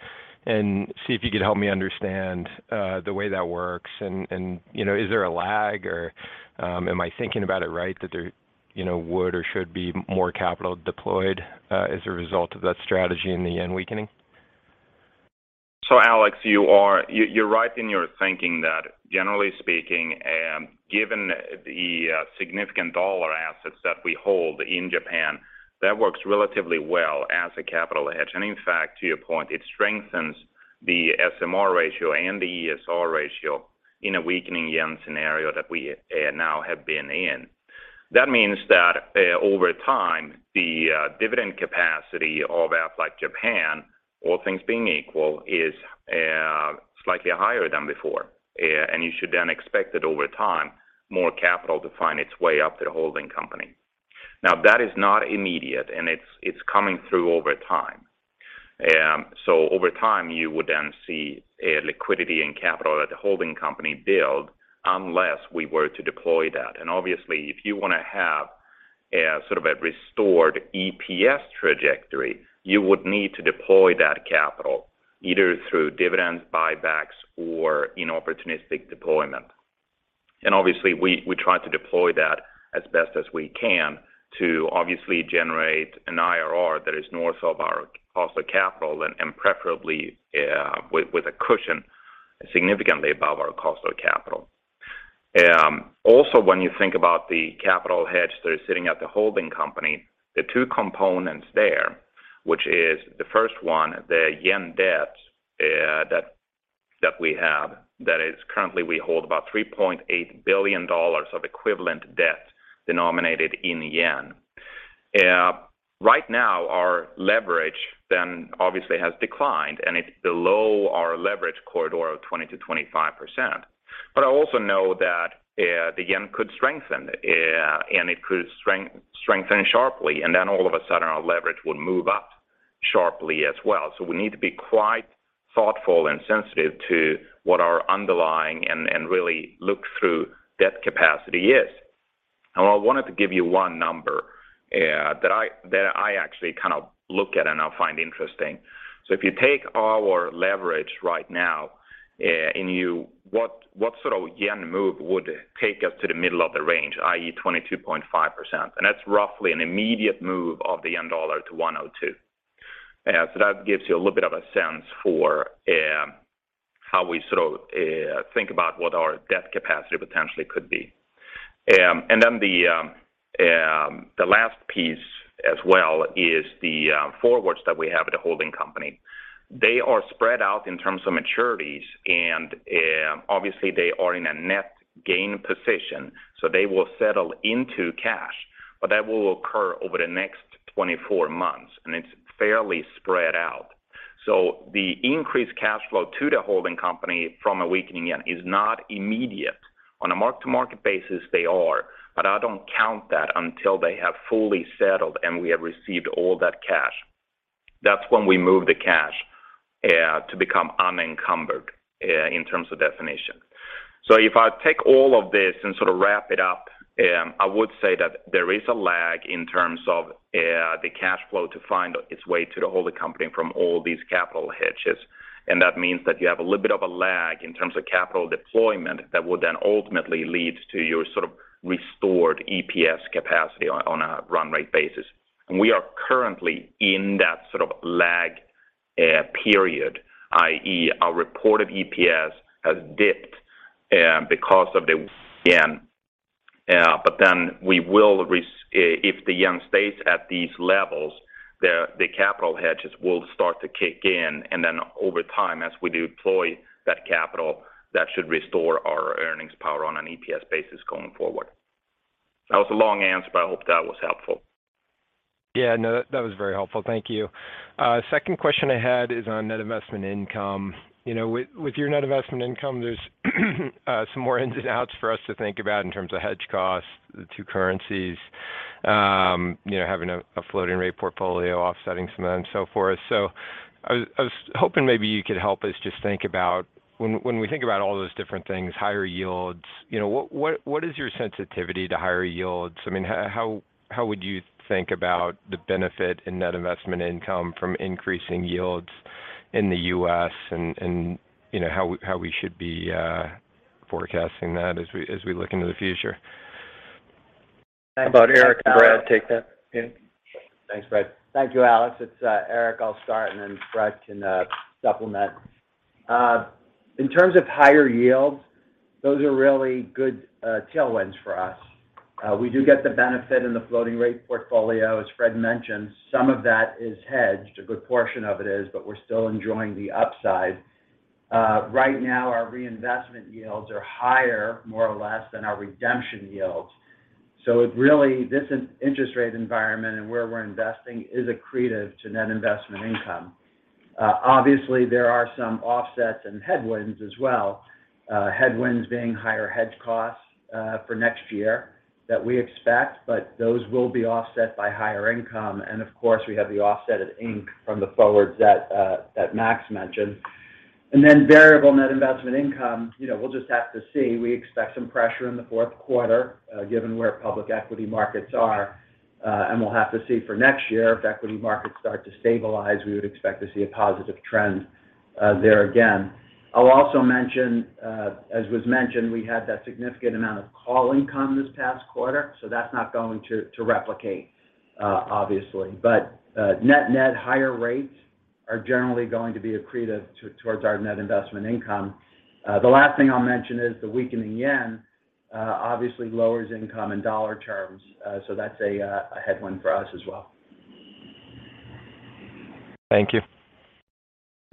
and see if you could help me understand the way that works, and, you know, is there a lag or, am I thinking about it right? That there, you know, would or should be more capital deployed, as a result of that strategy and the yen weakening? Alex, you're right in your thinking that generally speaking, given the significant dollar assets that we hold in Japan, that works relatively well as a capital hedge. In fact, to your point, it strengthens the SMR ratio and the ESR ratio in a weakening yen scenario that we now have been in. That means that over time, the dividend capacity of Aflac Japan, all things being equal, is slightly higher than before. You should then expect that over time, more capital to find its way up to the holding company. Now, that is not immediate, and it's coming through over time. Over time, you would then see liquidity and capital at the holding company build unless we were to deploy that. If you wanna have a sort of a restored EPS trajectory, you would need to deploy that capital either through dividends, buybacks, or in opportunistic deployment. We try to deploy that as best as we can to obviously generate an IRR that is north of our cost of capital and preferably with a cushion significantly above our cost of capital. Also when you think about the capital hedge that is sitting at the holding company, the two components there, which is the first one, the yen debts that we have. That is currently we hold about $3.8 billion of equivalent debt denominated in yen. Right now, our leverage then obviously has declined, and it's below our leverage corridor of 20%-25%. I also know that the yen could strengthen, and it could strengthen sharply, and then all of a sudden, our leverage would move up sharply as well. We need to be quite thoughtful and sensitive to what our underlying and really look-through debt capacity is. Now I wanted to give you one number that I actually kind of look at and I find interesting. If you take our leverage right now, and what sort of yen move would take us to the middle of the range, i.e., 22.5%? That's roughly an immediate move of the yen dollar to 102. That gives you a little bit of a sense for how we sort of think about what our debt capacity potentially could be. The last piece as well is the forwards that we have at the holding company. They are spread out in terms of maturities and obviously they are in a net gain position, so they will settle into cash. That will occur over the next 24 months, and it's fairly spread out. The increased cash flow to the holding company from a weakening yen is not immediate. On a mark-to-market basis, they are, but I don't count that until they have fully settled, and we have received all that cash. That's when we move the cash to become unencumbered in terms of definition. If I take all of this and sort of wrap it up, I would say that there is a lag in terms of the cash flow to find its way to the holding company from all these capital hedges. That means that you have a little bit of a lag in terms of capital deployment that would then ultimately lead to your sort of restored EPS capacity on a run rate basis. We are currently in that sort of lag period, i.e., our reported EPS has dipped because of the yen. But then if the yen stays at these levels, the capital hedges will start to kick in. Then over time, as we deploy that capital, that should restore our earnings power on an EPS basis going forward. That was a long answer, but I hope that was helpful. Yeah, no, that was very helpful. Thank you. Second question I had is on net investment income. You know, with your net investment income, there's some more ins and outs for us to think about in terms of hedge costs, the two currencies, you know, having a floating rate portfolio offsetting some of them, so forth. So I was hoping maybe you could help us just think about when we think about all those different things, higher yields, you know, what is your sensitivity to higher yields? I mean, how would you think about the benefit in net investment income from increasing yields in the U.S. and, you know, how we should be forecasting that as we look into the future? How about Eric and Brad take that? Yeah. Thanks, Fred. Thank you, Alex. It's Eric. I'll start, and then Fred can supplement. In terms of higher yields, those are really good tailwinds for us. We do get the benefit in the floating rate portfolio, as Fred mentioned. Some of that is hedged, a good portion of it is, but we're still enjoying the upside. Right now our reinvestment yields are higher, more or less, than our redemption yields. This interest rate environment and where we're investing is accretive to net investment income. Obviously there are some offsets and headwinds as well. Headwinds being higher hedge costs for next year that we expect, but those will be offset by higher income. Of course, we have the offset of NII from the forwards that Max mentioned. Variable net investment income, you know, we'll just have to see. We expect some pressure in the Q4, given where public equity markets are. We'll have to see for next year if equity markets start to stabilize. We would expect to see a positive trend there again. I'll also mention, as was mentioned, we had that significant amount of call income this past quarter, so that's not going to replicate, obviously. Net net higher rates are generally going to be accretive towards our net investment income. The last thing I'll mention is the weakening yen obviously lowers income in U.S. dollar terms. That's a headwind for us as well. Thank you.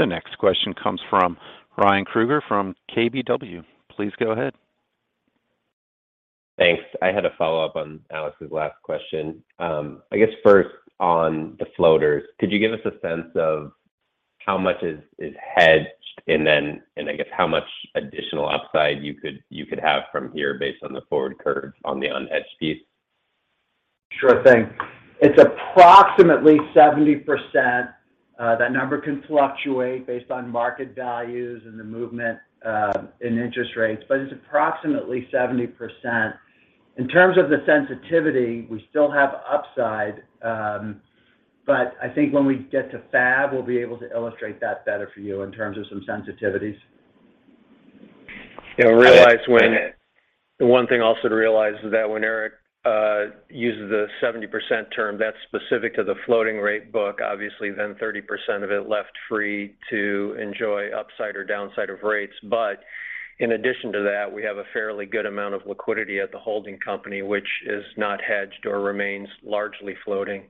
The next question comes from Ryan Krueger from KBW. Please go ahead. Thanks. I had a follow-up on Alex's last question. I guess first on the floaters, could you give us a sense of how much is hedged and then I guess how much additional upside you could have from here based on the forward curves on the unhedged piece? Sure thing. It's approximately 70%. That number can fluctuate based on market values and the movement in interest rates, but it's approximately 70%. In terms of the sensitivity, we still have upside, but I think when we get to FAB, we'll be able to illustrate that better for you in terms of some sensitivities. The one thing also to realize is that when Eric uses the 70% term, that's specific to the floating rate book, obviously then 30% of it left free to enjoy upside or downside of rates. But in addition to that, we have a fairly good amount of liquidity at the holding company, which is not hedged or remains largely floating,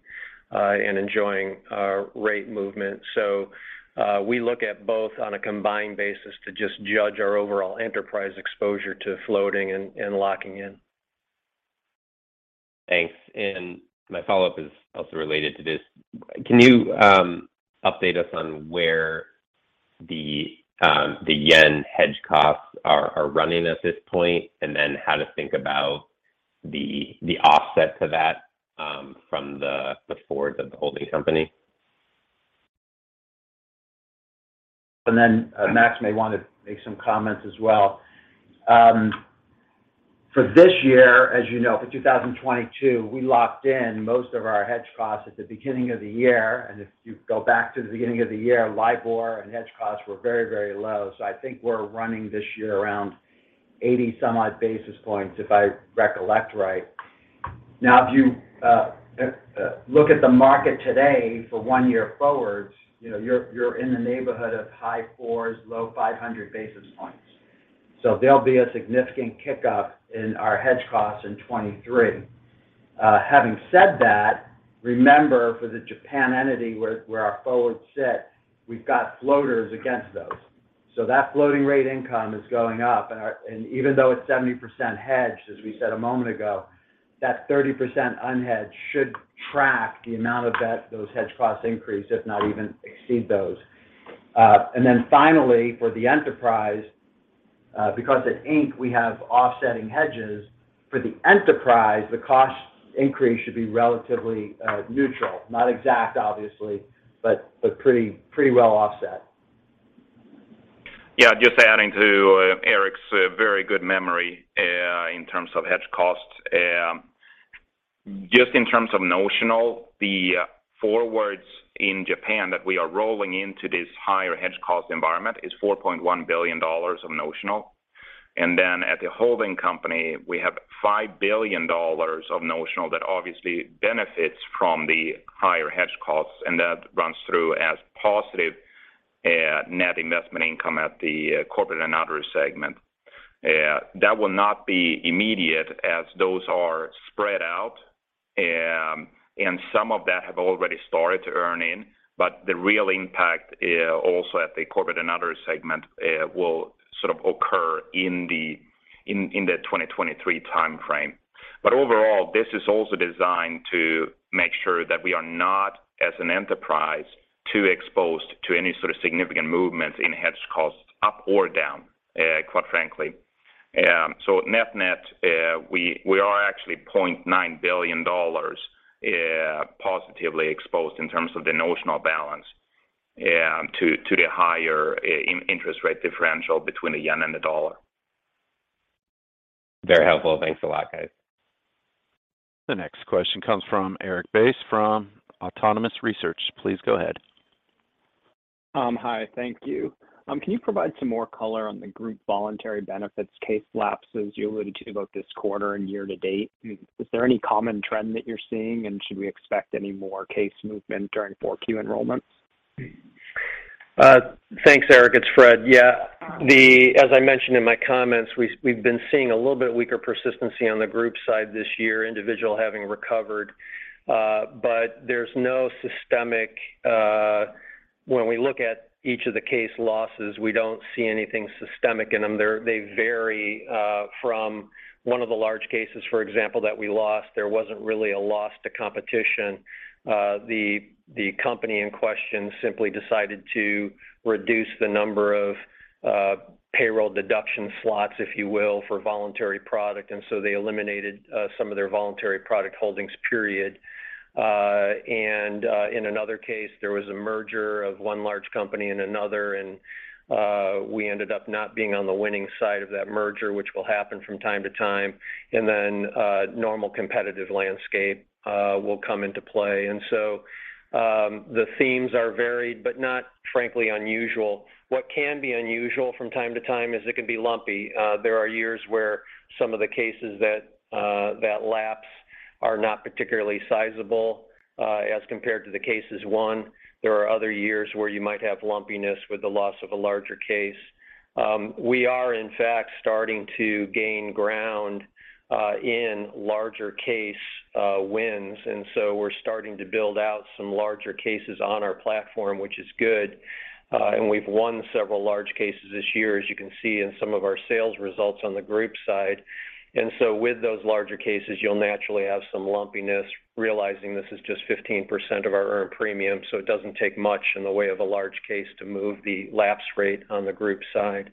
and enjoying our rate movement. So, we look at both on a combined basis to just judge our overall enterprise exposure to floating and locking in. Thanks. My follow-up is also related to this. Can you update us on where the yen hedge costs are running at this point, and then how to think about the offset to that from the forwards of the holding company? Max may want to make some comments as well. For this year, as you know, for 2022, we locked in most of our hedge costs at the beginning of the year. If you go back to the beginning of the year, LIBOR and hedge costs were very, very low. I think we're running this year around 80 some odd basis points, if I recollect right. Now, if you look at the market today for one year forwards, you know, you're in the neighborhood of high 400 basis points, low 500 basis points. There'll be a significant kick-up in our hedge costs in 2023. Having said that, remember for the Japan entity where our forwards sit, we've got floaters against those. That floating rate income is going up. Even though it's 70% hedged, as we said a moment ago, that 30% unhedged should track the amount that those hedge costs increase, if not even exceed those. Then finally, for the enterprise, because at Inc. we have offsetting hedges, for the enterprise, the cost increase should be relatively neutral. Not exact, obviously, but pretty well offset. Just adding to Eric's very good memory, in terms of hedge costs. Just in terms of notional, the forwards in Japan that we are rolling into this higher hedge cost environment is $4.1 billion of notional. At the holding company, we have $5 billion of notional that obviously benefits from the higher hedge costs, and that runs through as positive net investment income at the corporate and other segment. That will not be immediate as those are spread out, and some of that have already started to earn in, but the real impact, also at the corporate and other segment, will sort of occur in the 2023 timeframe. Overall, this is also designed to make sure that we are not, as an enterprise, too exposed to any sort of significant movements in hedge costs up or down, quite frankly. Net net, we are actually $0.9 billion positively exposed in terms of the notional balance to the higher interest rate differential between the yen and the dollar. Very helpful. Thanks a lot, guys. The next question comes from Erik Bass from Autonomous Research. Please go ahead. Hi. Thank you. Can you provide some more color on the group voluntary benefits case lapses you alluded to about this quarter and year to date? Is there any common trend that you're seeing, and should we expect any more case movement during 4Q enrollments? Thanks, Eric. It's Fred. Yeah. As I mentioned in my comments, we've been seeing a little bit weaker persistency on the group side this year, individual having recovered. But there's no systemic. When we look at each of the case losses, we don't see anything systemic in them. They vary from one of the large cases, for example, that we lost, there wasn't really a loss to competition. The company in question simply decided to reduce the number of payroll deduction slots, if you will, for voluntary product, and so they eliminated some of their voluntary product holdings. In another case, there was a merger of one large company and another, and we ended up not being on the winning side of that merger, which will happen from time to time. Normal competitive landscape will come into play. The themes are varied, but not frankly unusual. What can be unusual from time to time is it can be lumpy. There are years where some of the cases that lapse are not particularly sizable as compared to the cases won. There are other years where you might have lumpiness with the loss of a larger case. We are in fact starting to gain ground in larger case wins. We're starting to build out some larger cases on our platform, which is good. We've won several large cases this year, as you can see in some of our sales results on the group side. With those larger cases, you'll naturally have some lumpiness realizing this is just 15% of our earned premium, so it doesn't take much in the way of a large case to move the lapse rate on the group side.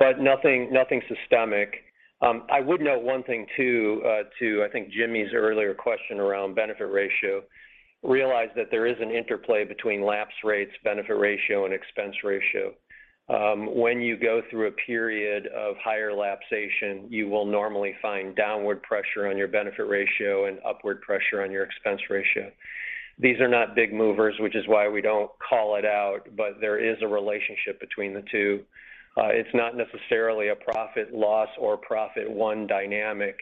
Nothing systemic. I would note one thing too, to I think Jimmy's earlier question around benefit ratio, realize that there is an interplay between lapse rates, benefit ratio, and expense ratio. When you go through a period of higher lapsation, you will normally find downward pressure on your benefit ratio and upward pressure on your expense ratio. These are not big movers, which is why we don't call it out, but there is a relationship between the two. It's not necessarily a profit loss or profit one dynamic.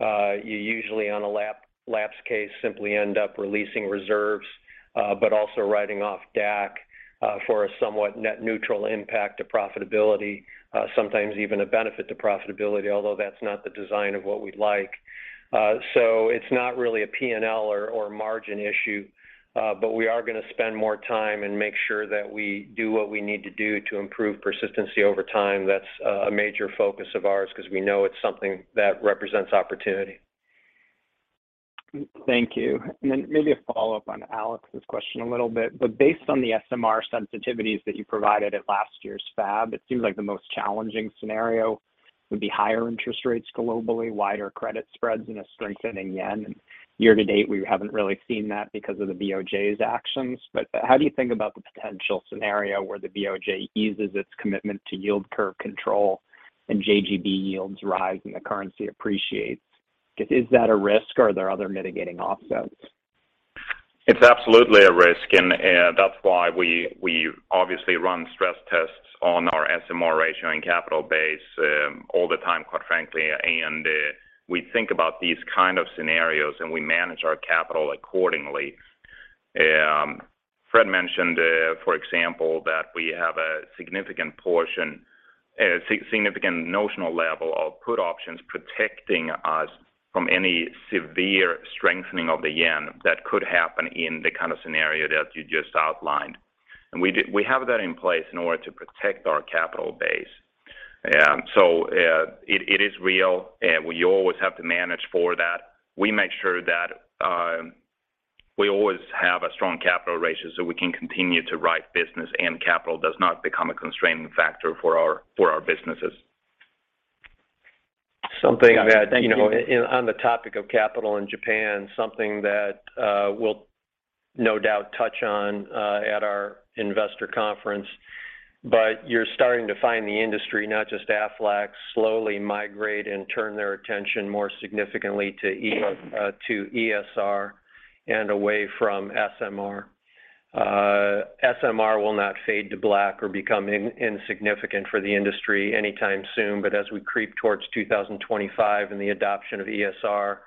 You usually on a lapse case simply end up releasing reserves, but also writing off DAC, for a somewhat net neutral impact to profitability, sometimes even a benefit to profitability, although that's not the design of what we'd like. It's not really a P&L or margin issue, but we are gonna spend more time and make sure that we do what we need to do to improve persistency over time. That's a major focus of ours because we know it's something that represents opportunity. Thank you. Maybe a follow-up on Alex's question a little bit, but based on the SMR sensitivities that you provided at last year's FAB, it seems like the most challenging scenario would be higher interest rates globally, wider credit spreads in a strengthening yen. Year-to-date, we haven't really seen that because of the BOJ's actions. How do you think about the potential scenario where the BOJ eases its commitment to yield curve control and JGB yields rise and the currency appreciates? Is that a risk, or are there other mitigating offsets? It's absolutely a risk, and that's why we obviously run stress tests on our SMR ratio and capital base, all the time, quite frankly. We think about these kind of scenarios, and we manage our capital accordingly. Fred mentioned, for example, that we have a significant portion, a significant notional level of put options protecting us from any severe strengthening of the yen that could happen in the kind of scenario that you just outlined. We have that in place in order to protect our capital base. So, it is real, we always have to manage for that. We make sure that we always have a strong capital ratio so we can continue to write business and capital does not become a constraining factor for our businesses. Something that, you know, on the topic of capital in Japan, something that we'll no doubt touch on at our investor conference, but you're starting to find the industry, not just Aflac, slowly migrate and turn their attention more significantly to ESR and away from SMR. SMR will not fade to black or become insignificant for the industry anytime soon. As we creep towards 2025 and the adoption of ESR,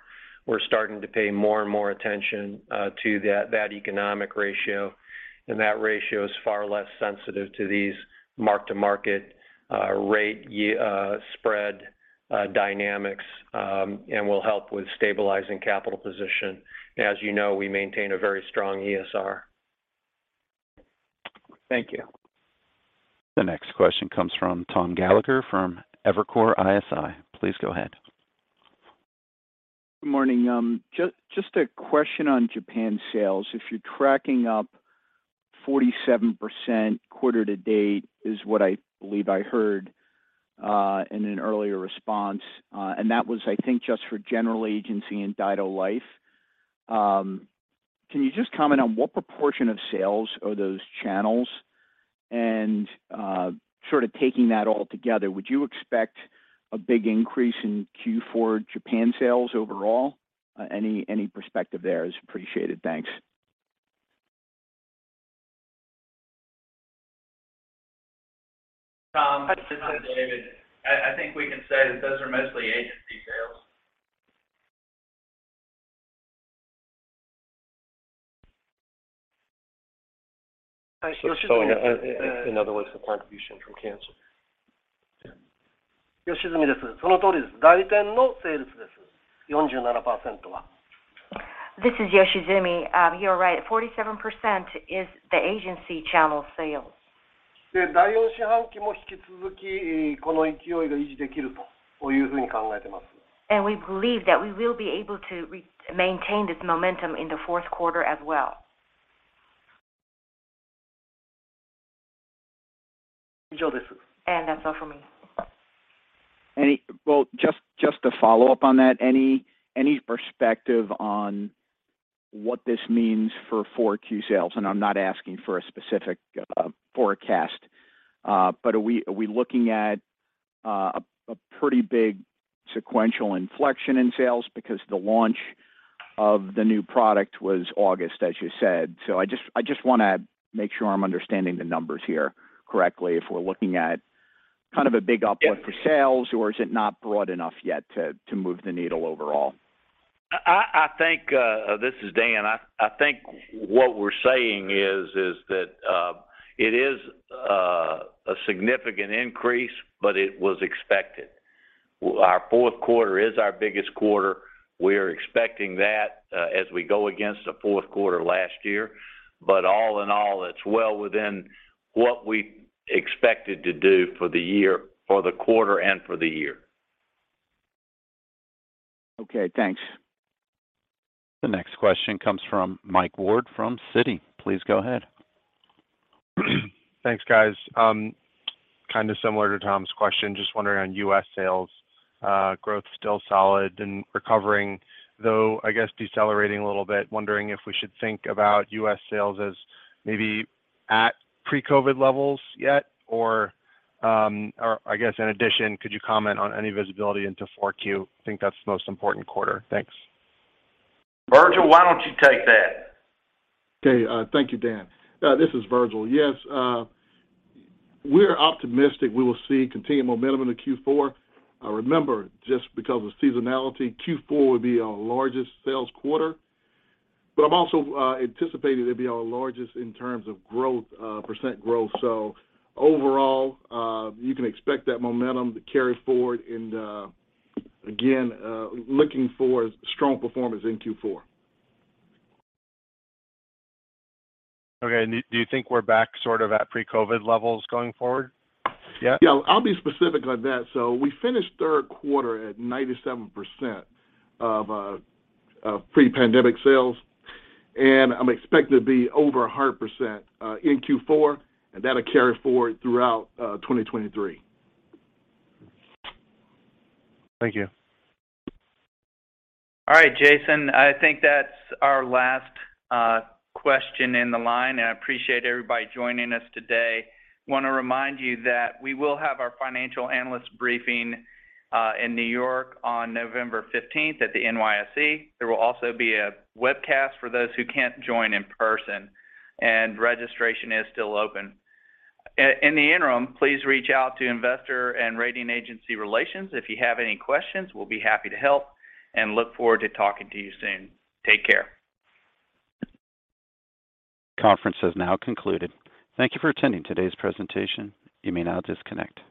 we're starting to pay more and more attention to that economic ratio. That ratio is far less sensitive to these mark-to-market rate spread dynamics and will help with stabilizing capital position. As you know, we maintain a very strong ESR. Thank you. The next question comes from Tom Gallagher from Evercore ISI. Please go ahead. Good morning. Just a question on Japan sales. If you're tracking up 47% quarter to date, is what I believe I heard, in an earlier response, and that was, I think just for general agency and Daido Life. Can you just comment on what proportion of sales are those channels? Sort of taking that all together, would you expect a big increase in Q4 Japan sales overall? Any perspective there is appreciated. Thanks. Tom, this is David. I think we can say that those are mostly agency sales. In other words, the contribution from cancer. This is Yoshizumi. You're right. 47% is the agency channel sales. We believe that we will be able to maintain this momentum in the Q4 as well. That's all for me. Well, just to follow up on that, any perspective on what this means for 4Q sales? I'm not asking for a specific forecast. Are we looking at a pretty big sequential inflection in sales because the launch of the new product was August, as you said? I just wanna make sure I'm understanding the numbers here correctly. If we're looking at kind of a big uplift for sales, or is it not broad enough yet to move the needle overall? I think this is Dan. I think what we're saying is that it is a significant increase, but it was expected. Our Q4 is our biggest quarter. We are expecting that as we go against the Q4 last year. All in all, it's well within what we expected to do for the year, for the quarter and for the year. Okay, thanks. The next question comes from Mike Ward from Citi. Please go ahead. Thanks, guys. Kind of similar to Tom's question. Just wondering on U.S. sales growth still solid and recovering, though I guess decelerating a little bit. Wondering if we should think about U.S. sales as maybe at pre-COVID levels yet, or I guess in addition, could you comment on any visibility into 4Q? I think that's the most important quarter. Thanks. Virgil, why don't you take that? Okay, thank you, Dan. This is Virgil. Yes, we're optimistic we will see continued momentum into Q4. Remember, just because of seasonality, Q4 would be our largest sales quarter. But I'm also anticipating it to be our largest in terms of growth, percent growth. Overall, you can expect that momentum to carry forward and, again, looking for strong performance in Q4. Okay. Do you think we're back sort of at pre-COVID levels going forward yet? I'll be specific on that. We finished Q3 at 97% of pre-pandemic sales, and I'm expecting to be over 100% in Q4, and that'll carry forward throughout 2023. Thank you. All right, Jason, I think that's our last question in the line, and I appreciate everybody joining us today. Wanna remind you that we will have our financial analyst briefing in New York on November 15th at the NYSE. There will also be a webcast for those who can't join in person, and registration is still open. In the interim, please reach out to investor and rating agency relations if you have any questions. We'll be happy to help and look forward to talking to you soon. Take care. Conference has now concluded. Thank you for attending today's presentation. You may now disconnect.